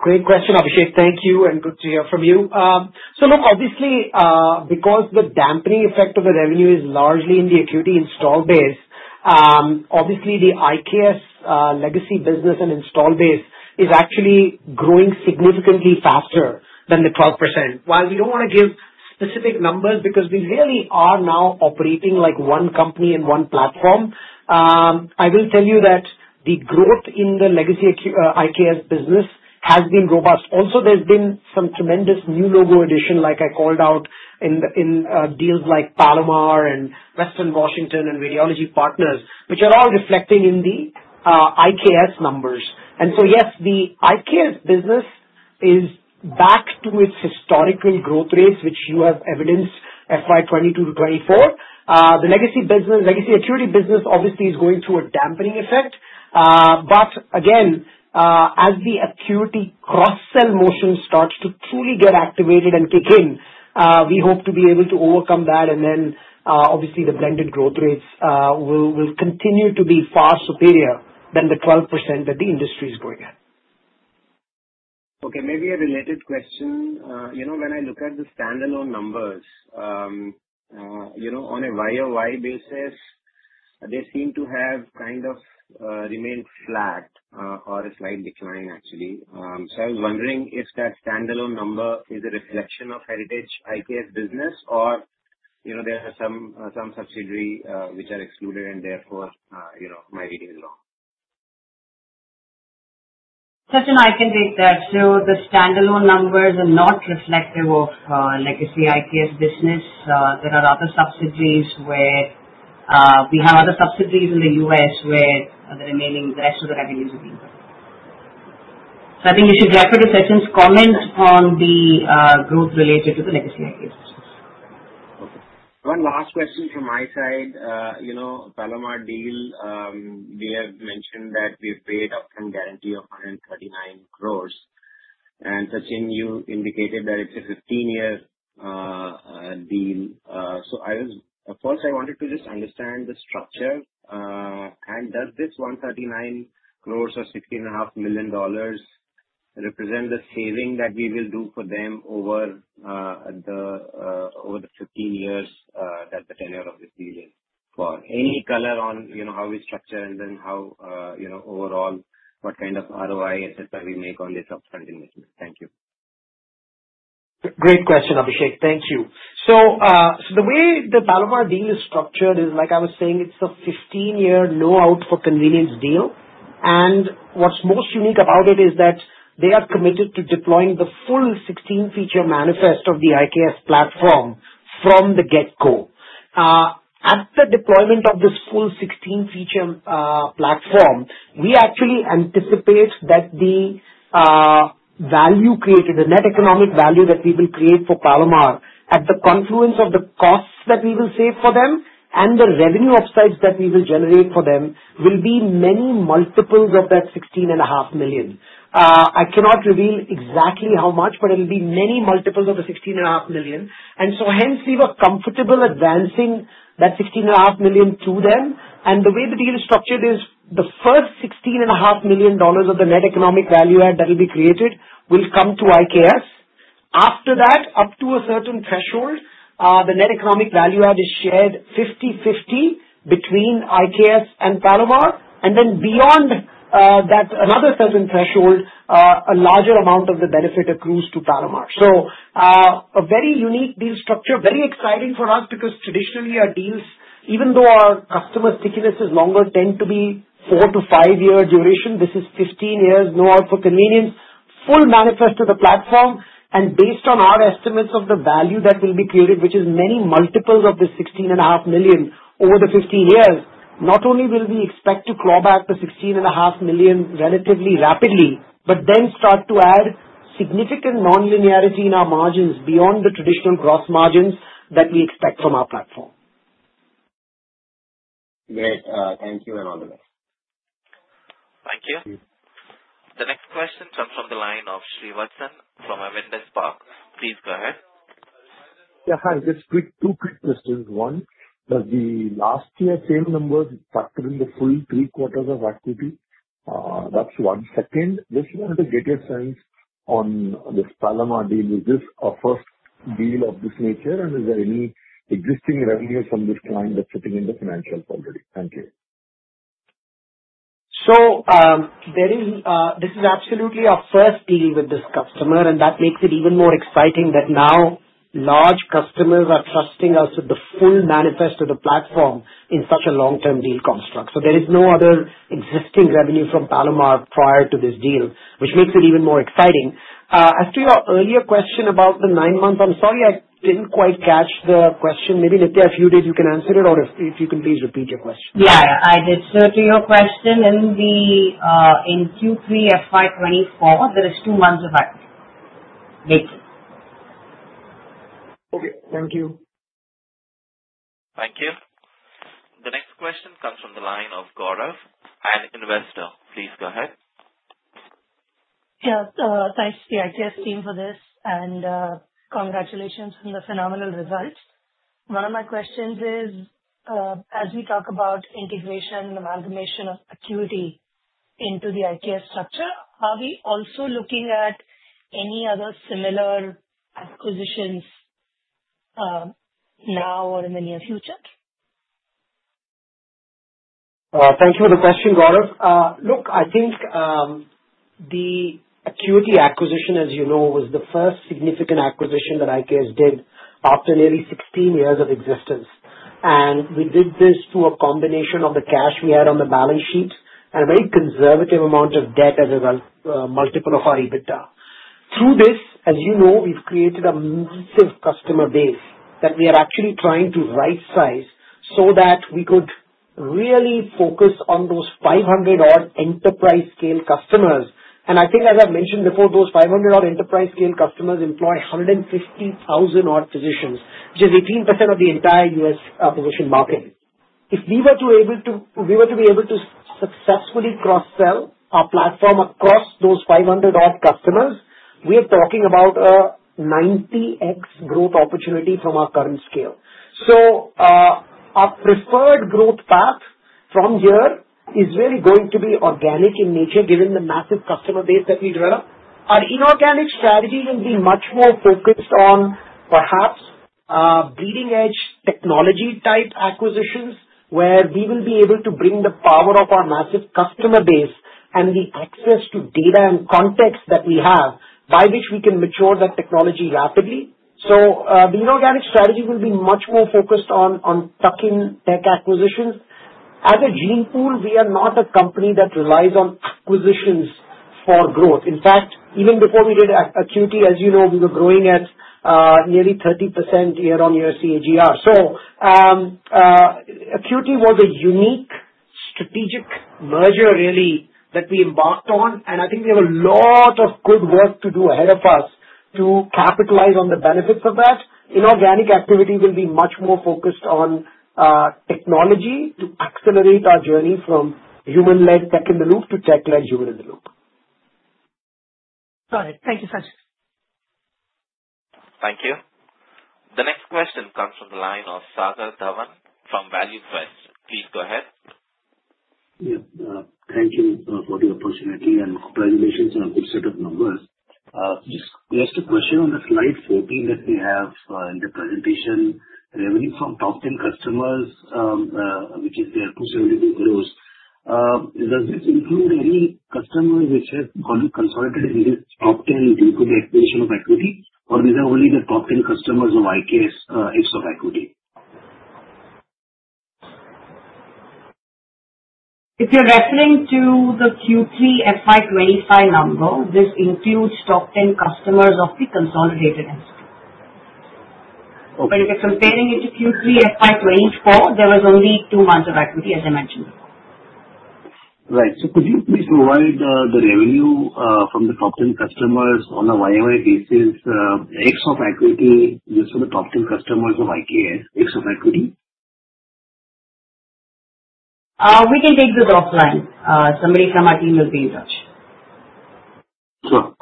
Great question, Abhishek. Thank you, and good to hear from you. So look, obviously, because the dampening effect of the revenue is largely in the AQuity install base, obviously the IKS legacy business and install base is actually growing significantly faster than the 12%. While we don't want to give specific numbers because we really are now operating like one company and one platform, I will tell you that the growth in the legacy IKS business has been robust. Also, there's been some tremendous new logo addition, like I called out in deals like Palomar Health and Western Washington Medical Group and Radiology Partners, which are all reflecting in the IKS Health numbers. And so yes, the IKS Health business is back to its historical growth rates, which you have evidenced FY 2022-2024. The legacy AQuity business, obviously, is going through a dampening effect. But again, as the AQuity cross-sell motion starts to truly get activated and kick in, we hope to be able to overcome that, and then obviously the blended growth rates will continue to be far superior than the 12% that the industry is going at. Okay, maybe a related question. When I look at the standalone numbers, on a YoY basis, they seem to have kind of remained flat or a slight decline, actually. So I was wondering if that standalone number is a reflection of legacy IKS business, or there are some subsidiaries which are excluded, and therefore my reading is wrong. Sachin, I can take that. So the standalone numbers are not reflective of legacy IKS business. There are other subsidiaries. We have other subsidiaries in the U.S. where the rest of the revenues are being booked. So I think you should refer to Sachin's comment on the growth related to the legacy IKS business. Okay. One last question from my side. Palomar deal, we have mentioned that we've paid upfront guarantee of 139 crore. And Sachin, you indicated that it's a 15-year deal. So first, I wanted to just understand the structure. Does this 139 crores or $16.5 million represent the saving that we will do for them over the 15 years that the tenure of this deal is for? Any color on how we structure and then how overall what kind of ROI, et cetera, we make on this upfront investment? Thank you. Great question, Abhishek. Thank you. So the way the Palomar deal is structured is, like I was saying, it's a 15-year no-out-for-convenience deal. And what's most unique about it is that they are committed to deploying the full 16-feature manifest of the IKS platform from the get-go. At the deployment of this full 16-feature platform, we actually anticipate that the net economic value that we will create for Palomar at the confluence of the costs that we will save for them and the revenue upsides that we will generate for them will be many multiples of that $16.5 million. I cannot reveal exactly how much, but it'll be many multiples of the $16.5 million. So hence, we were comfortable advancing that $16.5 million to them. And the way the deal is structured is the first $16.5 million dollars of the net economic value add that will be created will come to IKS. After that, up to a certain threshold, the net economic value add is shared 50/50 between IKS and Palomar. And then beyond that, another certain threshold, a larger amount of the benefit accrues to Palomar. So a very unique deal structure, very exciting for us because traditionally our deals, even though our customer stickiness is longer, tend to be four- to five-year duration. This is 15 years, no-out-for-convenience, full manifest to the platform. And based on our estimates of the value that will be created, which is many multiples of the $16.5 million over the 15 years, not only will we expect to claw back the $16.5 million relatively rapidly, but then start to add significant non-linearity in our margins beyond the traditional gross margins that we expect from our platform. Great. Thank you and all the best. Thank you. The next question comes from the line of Srivathsan Ramachandran from Spark Capital. Please go ahead. Yeah, hi. Just two quick questions. One, does the last year sales numbers factor in the full three quarters of AQuity? That's one second. Just wanted to get your sense on this Palomar deal. Is this a first deal of this nature, and is there any existing revenues from this client that's sitting in the financials already? Thank you. So this is absolutely our first deal with this customer, and that makes it even more exciting that now large customers are trusting us with the full manifest of the platform in such a long-term deal construct. So there is no other existing revenue from Palomar prior to this deal, which makes it even more exciting. As to your earlier question about the nine months, I'm sorry I didn't quite catch the question. Maybe in a few days you can answer it, or if you can please repeat your question. Yeah, I did. So to your question, in Q3 FY 2024, there are two months of AQuity. Okay. Thank you. Thank you. The next question comes from the line of Gaurav, an investor. Please go ahead. Yeah. Thanks to the IKS team for this, and congratulations on the phenomenal results. One of my questions is, as we talk about integration and amalgamation of AQuity into the IKS structure, are we also looking at any other similar acquisitions now or in the near future? Thank you for the question, Gaurav. Look, I think the AQuity acquisition, as you know, was the first significant acquisition that IKS did after nearly 16 years of existence. And we did this through a combination of the cash we had on the balance sheet and a very conservative amount of debt as a multiple of our EBITDA. Through this, as you know, we've created a massive customer base that we are actually trying to right-size so that we could really focus on those 500-odd enterprise-scale customers. I think, as I've mentioned before, those 500-odd enterprise-scale customers employ 150,000-odd physicians, which is 18% of the entire U.S. physician market. If we were to be able to successfully cross-sell our platform across those 500-odd customers, we are talking about a 90x growth opportunity from our current scale. Our preferred growth path from here is really going to be organic in nature, given the massive customer base that we develop. Our inorganic strategy will be much more focused on perhaps bleeding-edge technology-type acquisitions, where we will be able to bring the power of our massive customer base and the access to data and context that we have, by which we can mature that technology rapidly. The inorganic strategy will be much more focused on tuck-in tech acquisitions. As a general rule, we are not a company that relies on acquisitions for growth. In fact, even before we did AQuity, as you know, we were growing at nearly 30% year-on-year CAGR. So AQuity was a unique strategic merger, really, that we embarked on. And I think we have a lot of good work to do ahead of us to capitalize on the benefits of that. Inorganic activity will be much more focused on technology to accelerate our journey from human-led tech in the loop to tech-led human in the loop. Got it. Thank you, Sachin. Thank you. The next question comes from the line of Sagar Dhawan from ValueQuest. Please go ahead. Thank you for the opportunity and congratulations on a good set of numbers. Just a question on the slide 14 that we have in the presentation. Revenue from top 10 customers, which is their INR 272 crores, does this include any customers which have consolidated in this top 10 due to the acquisition of AQuity, or these are only the top 10 customers of IKS ex-AQuity? If you're referring to the Q3 FY 2025 number, this includes top 10 customers of the consolidated entity. But if you're comparing it to Q3 FY 2024, there was only two months of AQuity, as I mentioned before. Right. So could you please provide the revenue from the top 10 customers on a YOY basis, ex-AQuity, just for the top 10 customers of IKS ex-AQuity? We can take this offline. Somebody from our team will be in touch. Sure.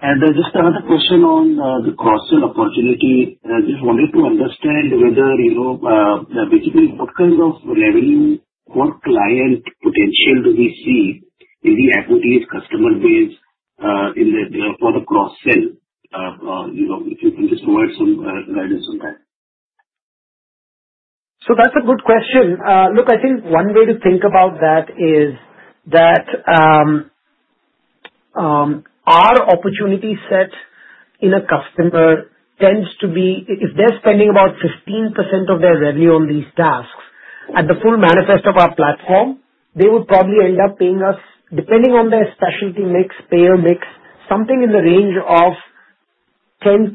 And just another question on the cross-sale opportunity. I just wanted to understand whether, basically, what kind of revenue, what client potential do we see in the AQuity customer base for the cross-sale? If you can just provide some guidance on that. That's a good question. Look, I think one way to think about that is that our opportunity set in a customer tends to be if they're spending about 15% of their revenue on these tasks at the full manifest of our platform, they would probably end up paying us, depending on their specialty mix, payer mix, something in the range of 10%-12%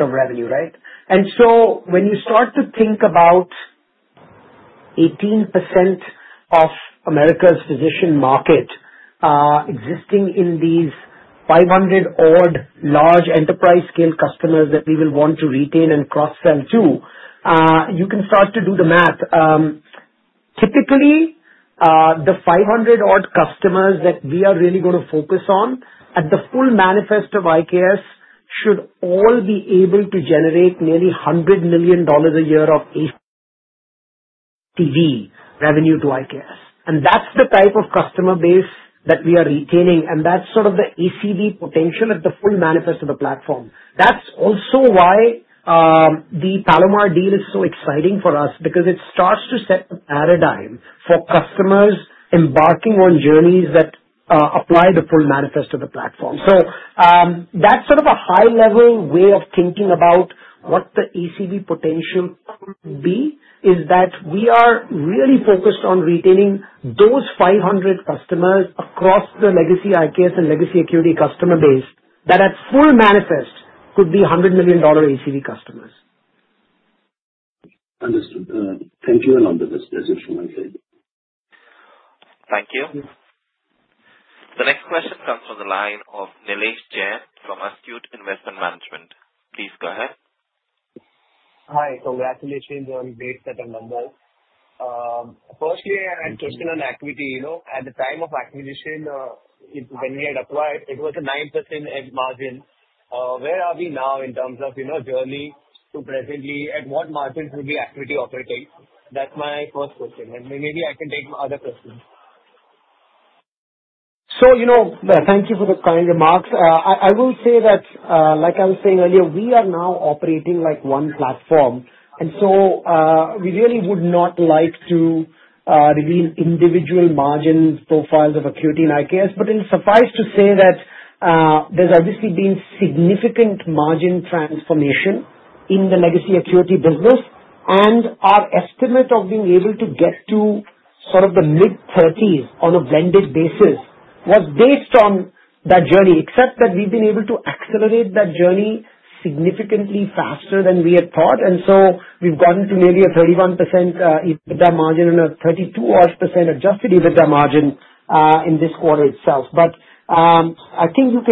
of revenue, right? And so when you start to think about 18% of America's physician market existing in these 500-odd large enterprise-scale customers that we will want to retain and cross-sell to, you can start to do the math. Typically, the 500-odd customers that we are really going to focus on at the full manifest of IKS should all be able to generate nearly $100 million a year of ACV revenue to IKS. And that's the type of customer base that we are retaining, and that's sort of the ACV potential at the full manifest of the platform. That's also why the Palomar deal is so exciting for us, because it starts to set the paradigm for customers embarking on journeys that apply the full manifest of the platform. So that's sort of a high-level way of thinking about what the ACV potential could be, is that we are really focused on retaining those 500 customers across the legacy IKS and legacy AQuity customer base that at full manifest could be $100 million ACV customers. Understood. Thank you and all the best. That's it from my side. Thank you. The next question comes from the line of Nilesh Jain from Astute Investment Management. Please go ahead. Hi. Congratulations on great set of numbers. Firstly, I had a question on equity. At the time of acquisition, when we had acquired, it was a 9% margin. Where are we now in terms of journey to presently? At what margin would the AQuity operate? That's my first question. And maybe I can take other questions. So thank you for the kind remarks. I will say that, like I was saying earlier, we are now operating like one platform. And so we really would not like to reveal individual margin profiles of AQuity in IKS. But it suffices to say that there's obviously been significant margin transformation in the legacy AQuity business. And our estimate of being able to get to sort of the mid-30s on a blended basis was based on that journey, except that we've been able to accelerate that journey significantly faster than we had thought. And so we've gotten to nearly a 31% EBITDA margin and a 32-odd% Adjusted EBITDA margin in this quarter itself. But I think you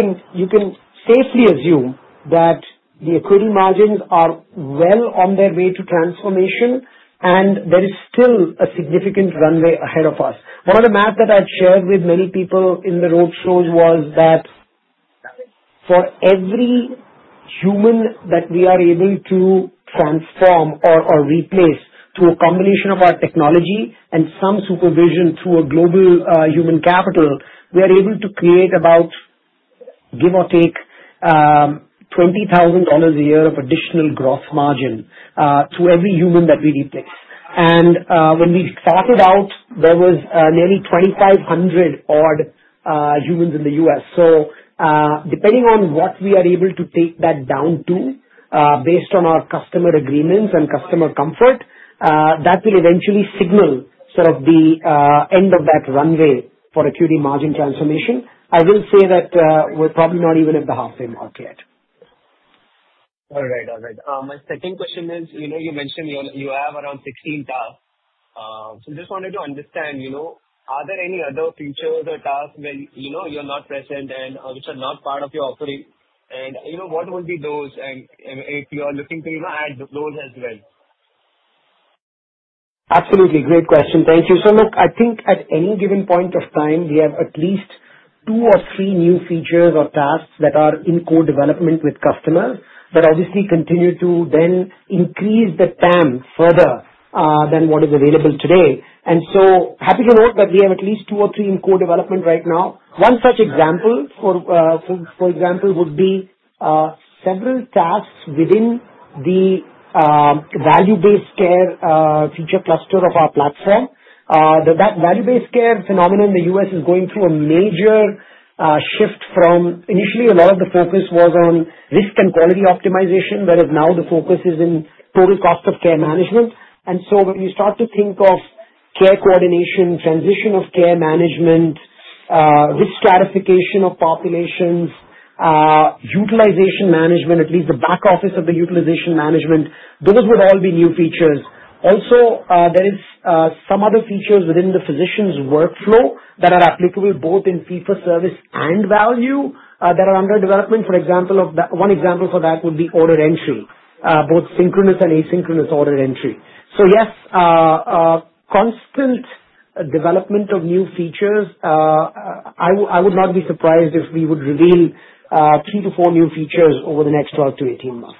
can safely assume that the EBITDA margins are well on their way to transformation, and there is still a significant runway ahead of us. One of the math that I've shared with many people in the roadshows was that for every human that we are able to transform or replace through a combination of our technology and some supervision through a global human capital, we are able to create about, give or take, $20,000 a year of additional gross margin through every human that we replace. And when we started out, there was nearly 2,500-odd humans in the U.S. So depending on what we are able to take that down to based on our customer agreements and customer comfort, that will eventually signal sort of the end of that runway for AQuity margin transformation. I will say that we're probably not even at the halfway mark yet. All right. All right. My second question is, you mentioned you have around 16 tasks. So I just wanted to understand, are there any other features or tasks where you're not present and which are not part of your offering? And what would be those, and if you are looking to add those as well? Absolutely. Great question. Thank you. So look, I think at any given point of time, we have at least two or three new features or tasks that are in co-development with customers that obviously continue to then increase the TAM further than what is available today. And so happy to note that we have at least two or three in co-development right now. One such example, for example, would be several tasks within the value-based care feature cluster of our platform. That value-based care phenomenon in the U.S. is going through a major shift from initially, a lot of the focus was on risk and quality optimization, whereas now the focus is in total cost of care management. And so when you start to think of care coordination, transition of care management, risk stratification of populations, utilization management, at least the back office of the utilization management, those would all be new features. Also, there are some other features within the physician's workflow that are applicable both in fee-for-service and value that are under development. For example, one example for that would be order entry, both synchronous and asynchronous order entry. So yes, constant development of new features. I would not be surprised if we would reveal three to four new features over the next 12-18 months.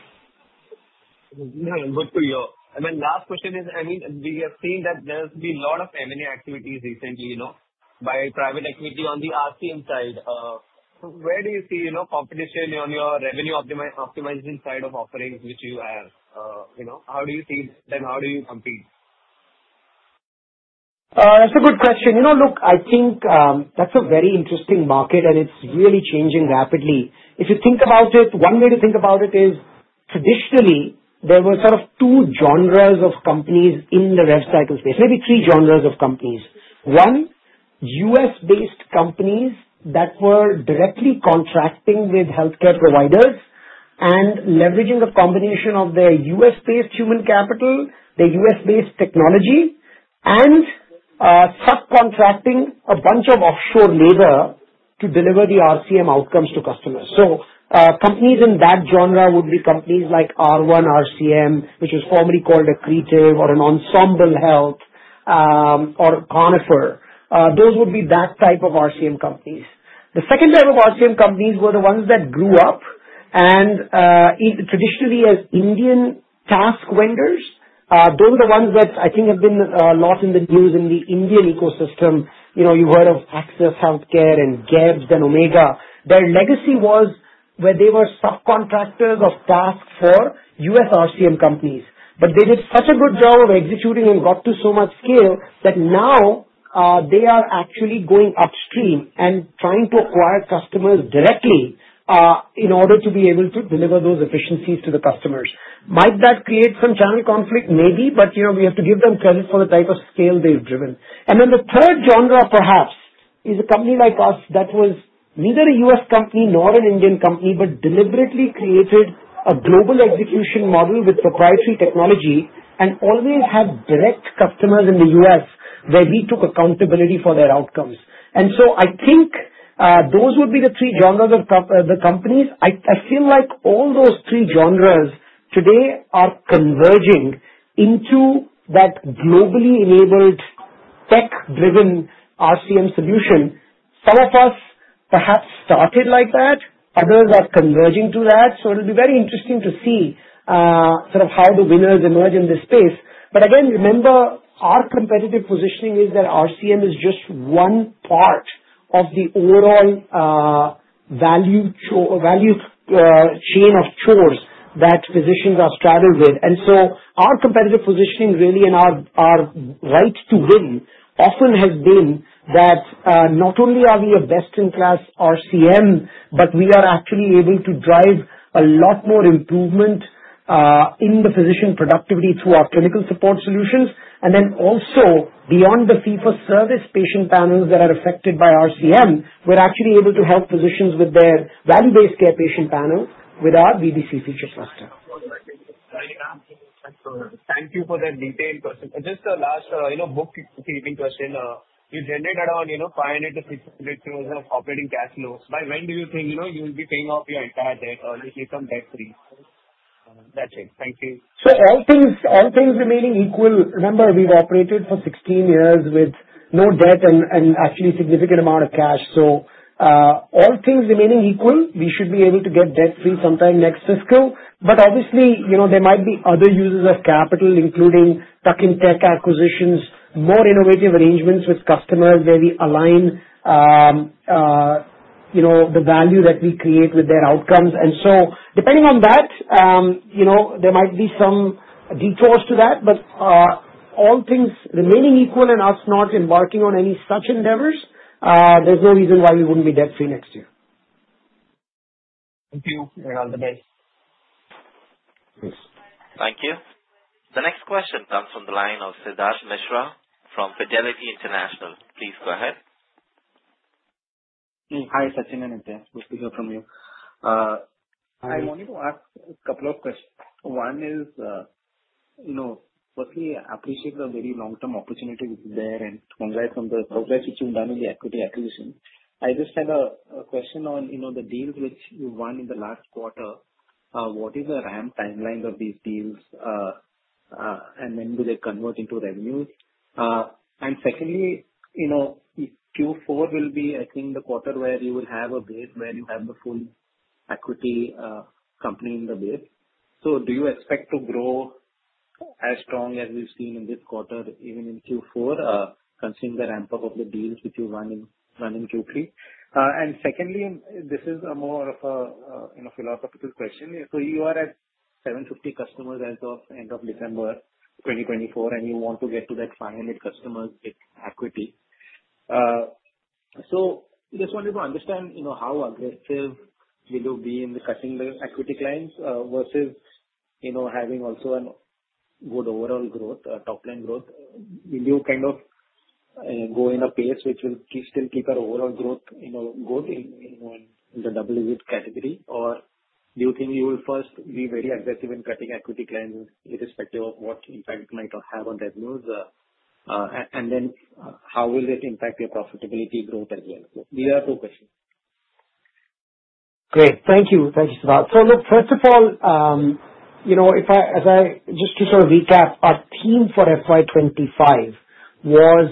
Yeah. And look to your and then last question is, I mean, we have seen that there's been a lot of M&A activities recently by private equity on the RCM side. Where do you see competition on your revenue optimization side of offerings which you have? How do you see them? How do you compete? That's a good question. Look, I think that's a very interesting market, and it's really changing rapidly. If you think about it, one way to think about it is, traditionally, there were sort of two genres of companies in the rev cycle space, maybe three genres of companies. One, U.S.-based companies that were directly contracting with healthcare providers and leveraging a combination of their U.S.-based human capital, their U.S.-based technology, and subcontracting a bunch of offshore labor to deliver the RCM outcomes to customers. So companies in that genre would be companies like R1 RCM, which was formerly called Accretive or an Ensemble Health or Conifer. Those would be that type of RCM companies. The second type of RCM companies were the ones that grew up, and traditionally, as Indian task vendors, those are the ones that I think have been a lot in the news in the Indian ecosystem. You've heard of Access Healthcare and GeBBS and Omega. Their legacy was where they were subcontractors of task for U.S. RCM companies. But they did such a good job of executing and got to so much scale that now they are actually going upstream and trying to acquire customers directly in order to be able to deliver those efficiencies to the customers. Might that create some channel conflict? Maybe, but we have to give them credit for the type of scale they've driven. And then the third genre, perhaps, is a company like us that was neither a U.S. company nor an Indian company but deliberately created a global execution model with proprietary technology and always had direct customers in the U.S. where we took accountability for their outcomes. And so I think those would be the three genres of the companies. I feel like all those three genres today are converging into that globally enabled tech-driven RCM solution. Some of us perhaps started like that. Others are converging to that. So it'll be very interesting to see sort of how the winners emerge in this space. But again, remember, our competitive positioning is that RCM is just one part of the overall value chain of chores that physicians are struggled with. And so our competitive positioning, really, and our right to win often has been that not only are we a best-in-class RCM, but we are actually able to drive a lot more improvement in the physician productivity through our clinical support solutions. And then also, beyond the fee-for-service patient panels that are affected by RCM, we're actually able to help physicians with their value-based care patient panel with our VBC feature cluster. Thank you for that detailed question. Just a last bookkeeping question. You generated around 500 crores-600 crores of operating cash flows? By when do you think you'll be paying off your entire debt or at least some debt free? That's it. Thank you. So all things remaining equal, remember, we've operated for 16 years with no debt and actually a significant amount of cash. So all things remaining equal, we should be able to get debt free sometime next fiscal. But obviously, there might be other uses of capital, including tuck-in tech acquisitions, more innovative arrangements with customers where we align the value that we create with their outcomes. And so depending on that, there might be some detours to that. But all things remaining equal and us not embarking on any such endeavors, there's no reason why we wouldn't be debt free next year. Thank you. And all the best. Thanks. Thank you. The next question comes from the line of Siddharth Mishra from Fidelity International. Please go ahead. Hi, Sachin. And it's good to hear from you. I wanted to ask a couple of questions. One is, firstly, I appreciate the very long-term opportunity there and congrats on the progress which you've done in the equity acquisition. I just had a question on the deals which you won in the last quarter. What is the ramp timeline of these deals, and then will they convert into revenue? And secondly, Q4 will be, I think, the quarter where you will have a bid where you have the full equity company in the bid. So do you expect to grow as strong as we've seen in this quarter, even in Q4, considering the ramp-up of the deals which you've won in Q3? Secondly, and this is more of a philosophical question, so you are at 750 customers as of end of December 2024, and you want to get to that 500 customers with equity. So just wanted to understand how aggressive will you be in cutting the equity clients versus having also a good overall growth, top-line growth? Will you kind of go in a pace which will still keep our overall growth good in the double digit category, or do you think you will first be very aggressive in cutting equity clients irrespective of what impact it might have on revenues, and then how will it impact your profitability growth as well? These are two questions. Great. Thank you. Thank you, Siddharth. So, look, first of all, as I just to sort of recap, our aim for FY 2025 was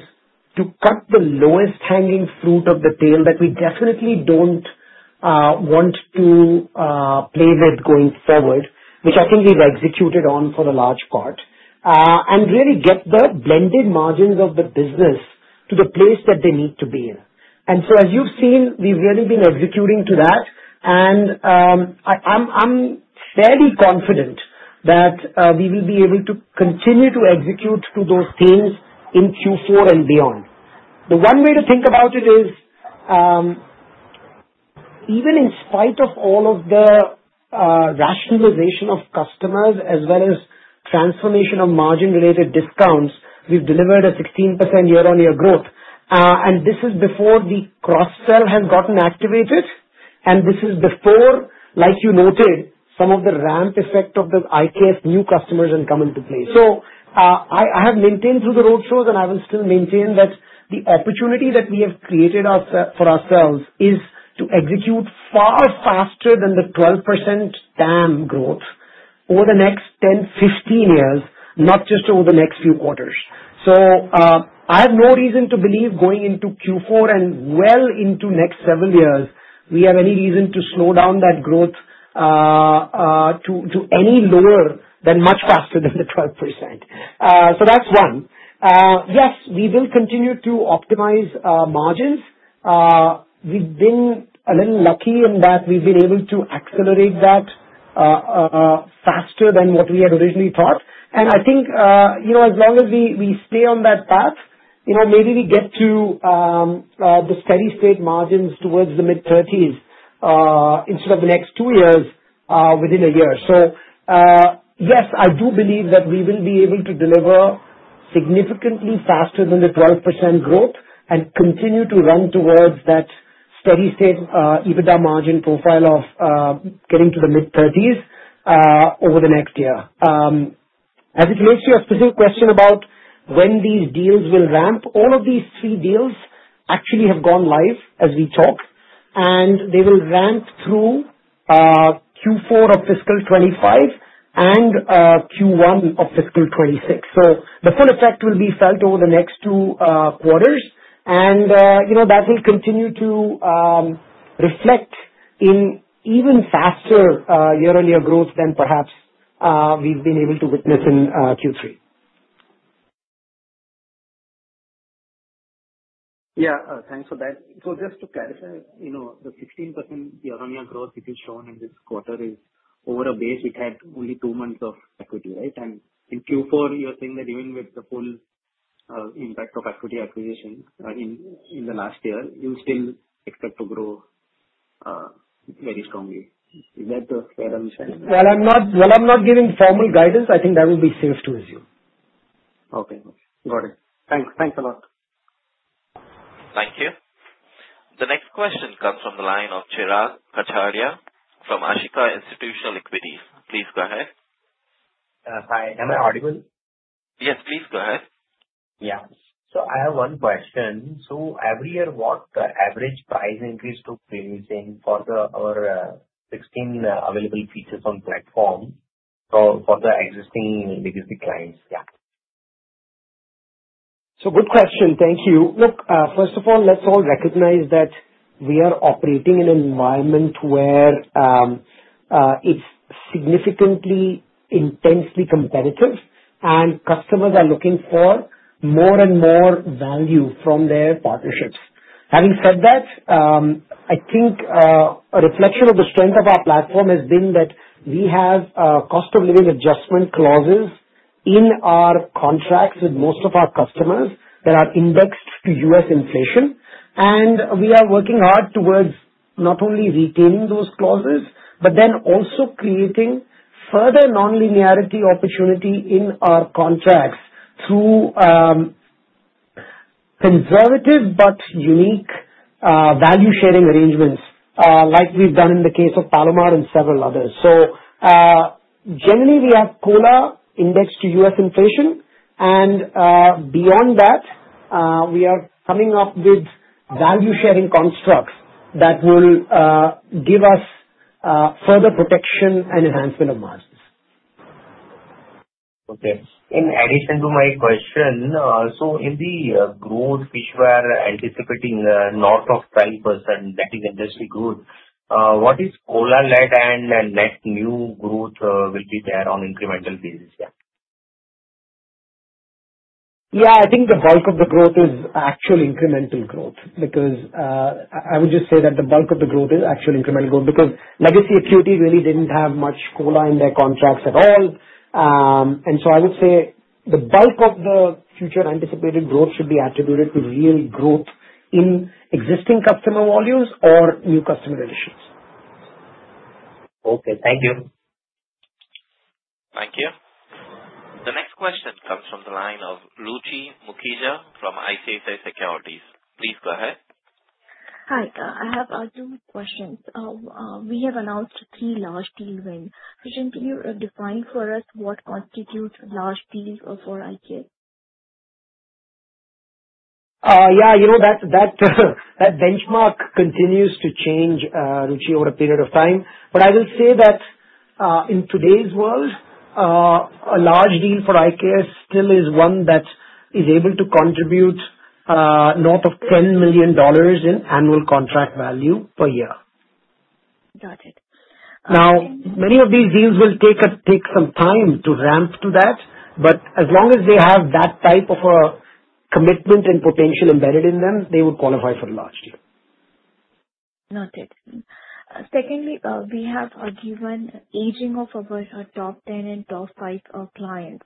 to cut the low-hanging fruit of the tail that we definitely don't want to play with going forward, which I think we've executed on for the most part, and really get the blended margins of the business to the place that they need to be in. And so as you've seen, we've really been executing to that. And I'm fairly confident that we will be able to continue to execute to those things in Q4 and beyond. The one way to think about it is, even in spite of all of the rationalization of customers as well as transformation of margin-related discounts, we've delivered a 16% year-on-year growth. This is before the cross-sell has gotten activated, and this is before, like you noted, some of the ramp effect of the IKS new customers has come into place. I have maintained through the roadshows, and I will still maintain that the opportunity that we have created for ourselves is to execute far faster than the 12% TAM growth over the next 10-15 years, not just over the next few quarters. I have no reason to believe going into Q4 and well into next several years, we have any reason to slow down that growth to any lower than much faster than the 12%. That's one. Yes, we will continue to optimize margins. We've been a little lucky in that we've been able to accelerate that faster than what we had originally thought. I think as long as we stay on that path, maybe we get to the steady-state margins towards the mid-30s instead of the next two years within a year. So yes, I do believe that we will be able to deliver significantly faster than the 12% growth and continue to run towards that steady-state EBITDA margin profile of getting to the mid-30s over the next year. As it relates to your specific question about when these deals will ramp, all of these three deals actually have gone live as we talk, and they will ramp through Q4 of fiscal 2025 and Q1 of fiscal 2026. So the full effect will be felt over the next two quarters, and that will continue to reflect in even faster year-on-year growth than perhaps we've been able to witness in Q3. Yeah. Thanks for that. So just to clarify, the 16% year-on-year growth which is shown in this quarter is over a base we've had only two months of equity, right? And in Q4, you're saying that even with the full impact of equity acquisition in the last year, you'll still expect to grow very strongly. Is that a fair understanding? Well, while I'm not giving formal guidance, I think that would be safe to assume. Okay. Got it. Thanks. Thanks a lot. Thank you. The next question comes from the line of Chirag Kachhadiya from Ashika Institutional Equities. Please go ahead. Hi. Am I audible? Yes, please go ahead. Yeah. So I have one question. So every year, what's the average price increase to be expected for our 16 available features on platform for the existing legacy clients? Yeah. So good question. Thank you. Look, first of all, let's all recognize that we are operating in an environment where it's significantly intensely competitive, and customers are looking for more and more value from their partnerships. Having said that, I think a reflection of the strength of our platform has been that we have cost-of-living adjustment clauses in our contracts with most of our customers that are indexed to U.S. inflation, and we are working hard towards not only retaining those clauses but then also creating further non-linearity opportunity in our contracts through conservative but unique value-sharing arrangements like we've done in the case of Palomar and several others, so generally, we have COLA indexed to U.S. inflation, and beyond that, we are coming up with value-sharing constructs that will give us further protection and enhancement of margins. Okay. In addition to my question, so in the growth which we are anticipating north of 5% net industry growth, what is COLA-led and net new growth will be there on incremental basis? Yeah. Yeah. I think the bulk of the growth is actual incremental growth because legacy AQuity really didn't have much COLA in their contracts at all. And so I would say the bulk of the future anticipated growth should be attributed to real growth in existing customer volumes or new customer additions. Okay. Thank you. Thank you. The next question comes from the line of Ruchi Mukhija from ICICI Securities. Please go ahead. Hi. I have two questions. We have announced three large deals. Could you define for us what constitutes large deals for IKS? Yeah. That benchmark continues to change, Ruchi, over a period of time. But I will say that in today's world, a large deal for IKS still is one that is able to contribute north of $10 million in annual contract value per year. Got it. Now, many of these deals will take some time to ramp to that. But as long as they have that type of a commitment and potential embedded in them, they would qualify for a large deal. Noted. Secondly, we have given aging of our top 10 and top 5 clients.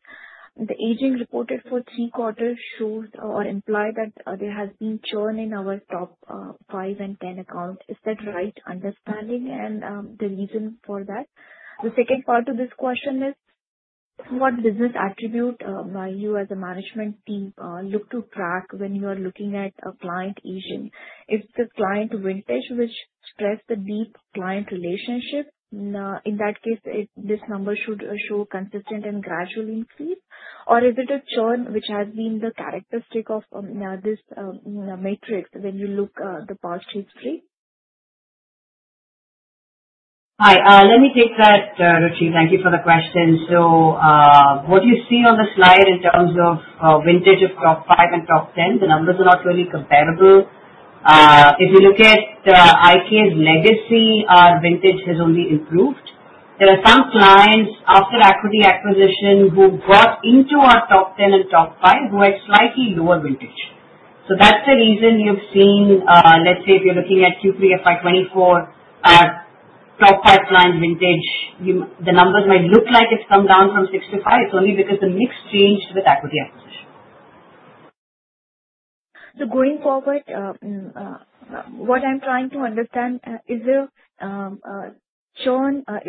The aging reported for three quarters shows or implies that there has been churn in our top 5 and 10 accounts. Is that right understanding and the reason for that? The second part of this question is, what business attribute might you as a management team look to track when you are looking at a client aging? Is the client vintage, which stressed the deep client relationship? In that case, this number should show consistent and gradual increase, or is it a churn which has been the characteristic of this metrics when you look at the past history? Hi. Let me take that, Ruchi. Thank you for the question. So what do you see on the slide in terms of vintage of top five and top 10? The numbers are not really comparable. If you look at IKS legacy, our vintage has only improved. There are some clients after equity acquisition who got into our top 10 and top five who had slightly lower vintage. So that's the reason you've seen, let's say, if you're looking at Q3 FY 2024, our top five client vintage, the numbers might look like it's come down from six to five. It's only because the mix changed with equity acquisition. So going forward, what I'm trying to understand, is the churn a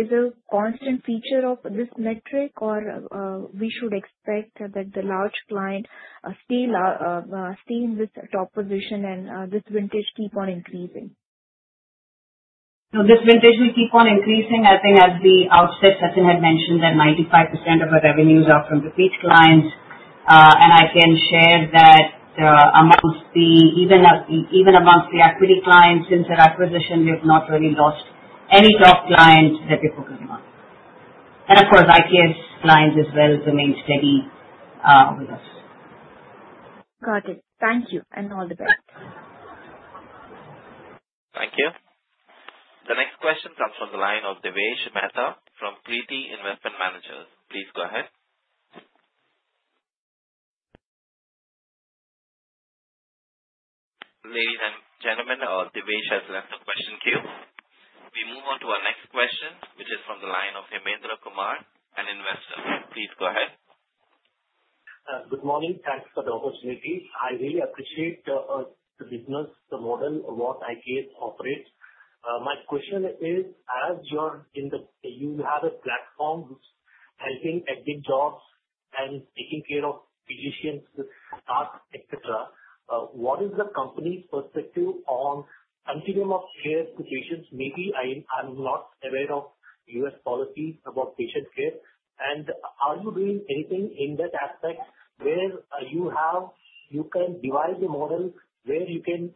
constant feature of this metric, or we should expect that the large client stay in this top position and this vintage keep on increasing? No, this vintage will keep on increasing, I think, as we outset. Sachin had mentioned that 95% of our revenues are from repeat clients. And I can share that even amongst the equity clients, since their acquisition, we have not really lost any top clients that we're focusing on. And of course, IKS clients as well remain steady with us. Got it. Thank you. And all the best. Thank you. The next question comes from the line of Devesh Mehta from DS Investment Managers. Please go ahead. Ladies and gentlemen, Devesh has left the question queue. We move on to our next question, which is from the line of Hemendra Kumar, an investor. Please go ahead. Good morning. Thanks for the opportunity. I really appreciate the business model of what IKS operates. My question is, as you have a platform which is helping at big jobs and taking care of patients, tasks, et cetera, what is the company's perspective on continuum of care to patients? Maybe I'm not aware of U.S. policies about patient care. Are you doing anything in that aspect where you can devise a model where you can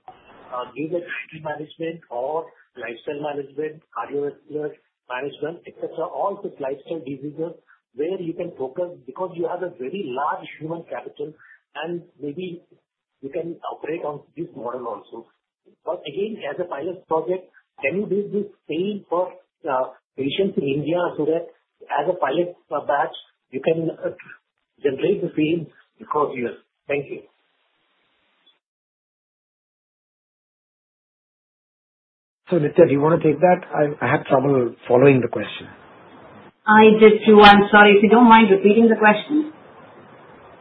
do the training management or lifestyle management, cardiovascular management, et cetera, all the lifestyle diseases where you can focus because you have a very large human capital, and maybe you can operate on this model also? But again, as a pilot project, can you build this same for patients in India so that as a pilot batch, you can generate the same across years? Thank you. So Nithya, do you want to take that? I had trouble following the question. I did too. I'm sorry. If you don't mind repeating the question.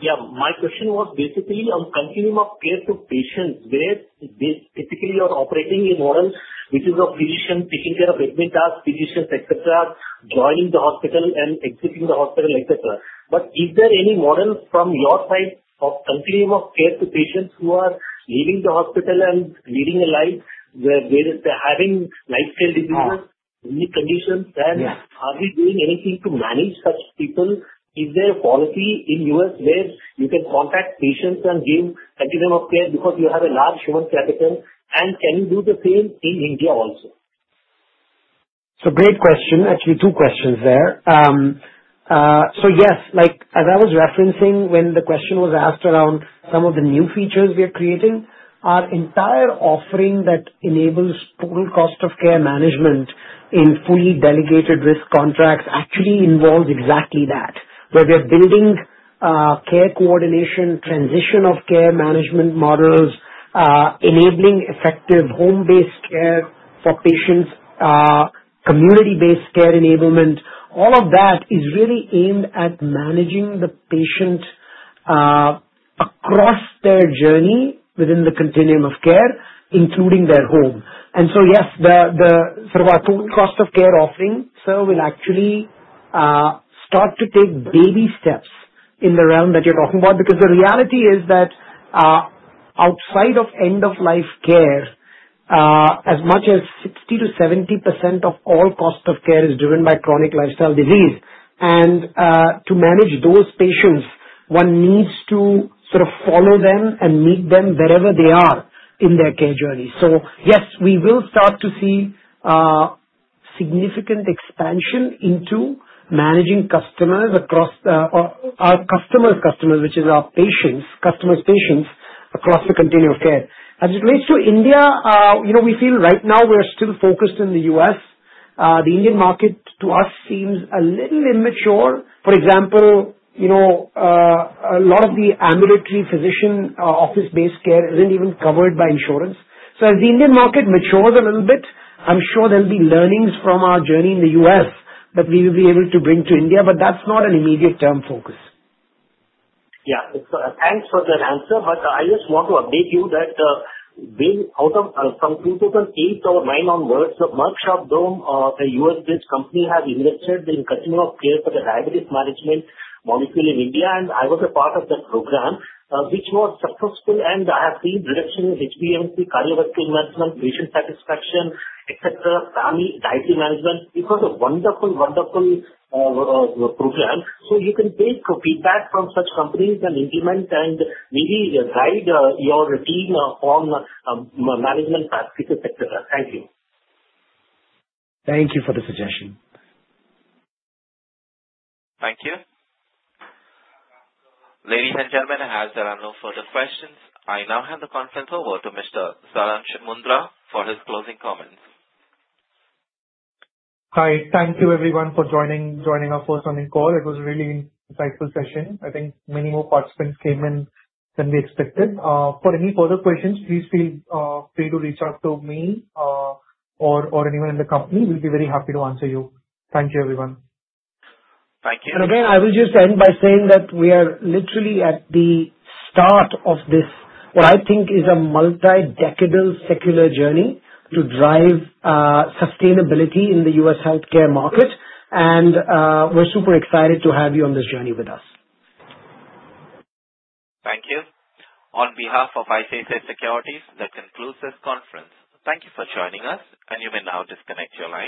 Yeah. My question was basically on continuum of care to patients where typically you're operating in a model which is a physician taking care of admitted patients, et cetera, joining the hospital and exiting the hospital, et cetera. But is there any model from your side of continuum of care to patients who are leaving the hospital and leading a life where they're having lifestyle diseases, unique conditions? And are we doing anything to manage such people? Is there a policy in the U.S. where you can contact patients and give continuum of care because you have a large human capital? And can you do the same in India also? So great question. Actually, two questions there. So yes, as I was referencing when the question was asked around some of the new features we are creating, our entire offering that enables total cost of care management in fully delegated risk contracts actually involves exactly that, where we are building care coordination, transition of care management models, enabling effective home-based care for patients, community-based care enablement. All of that is really aimed at managing the patient across their journey within the continuum of care, including their home, and so yes, sort of our total cost of care offering, sir, will actually start to take baby steps in the realm that you're talking about because the reality is that outside of end-of-life care, as much as 60%-70% of all cost of care is driven by chronic lifestyle disease, and to manage those patients, one needs to sort of follow them and meet them wherever they are in their care journey, so yes, we will start to see significant expansion into managing customers across our customers' customers, which is our patients, customers' patients across the continuum of care. As it relates to India, we feel right now we're still focused in the U.S. The Indian market to us seems a little immature. For example, a lot of the ambulatory physician office-based care isn't even covered by insurance. So as the Indian market matures a little bit, I'm sure there'll be learnings from our journey in the US that we will be able to bring to India, but that's not an immediate-term focus. Yeah. Thanks for that answer. But I just want to update you that from 2008 or 2009 onwards, the Merck Sharp & Dohme, a U.S.-based company, has invested in continuum of care for the diabetes management model in India. And I was a part of that program, which was successful, and I have seen reduction in HbA1c, cardiovascular events, patient satisfaction, et cetera, family dietary management. It was a wonderful, wonderful program. So you can take feedback from such companies and implement and maybe guide your team on management practices, et cetera. Thank you. Thank you for the suggestion. Thank you. Ladies and gentlemen, as there are no further questions, I now hand the conference over to Mr. Siraj Mundra for his closing comments. Hi. Thank you, everyone, for joining us for this morning call. It was a really insightful session. I think many more participants came in than we expected. For any further questions, please feel free to reach out to me or anyone in the company. We'll be very happy to answer you. Thank you, everyone. Thank you. And again, I will just end by saying that we are literally at the start of this, what I think is a multi-decadal secular journey to drive sustainability in the U.S. healthcare market. And we're super excited to have you on this journey with us. Thank you. On behalf of ICICI Securities, that concludes this conference. Thank you for joining us, and you may now disconnect your line.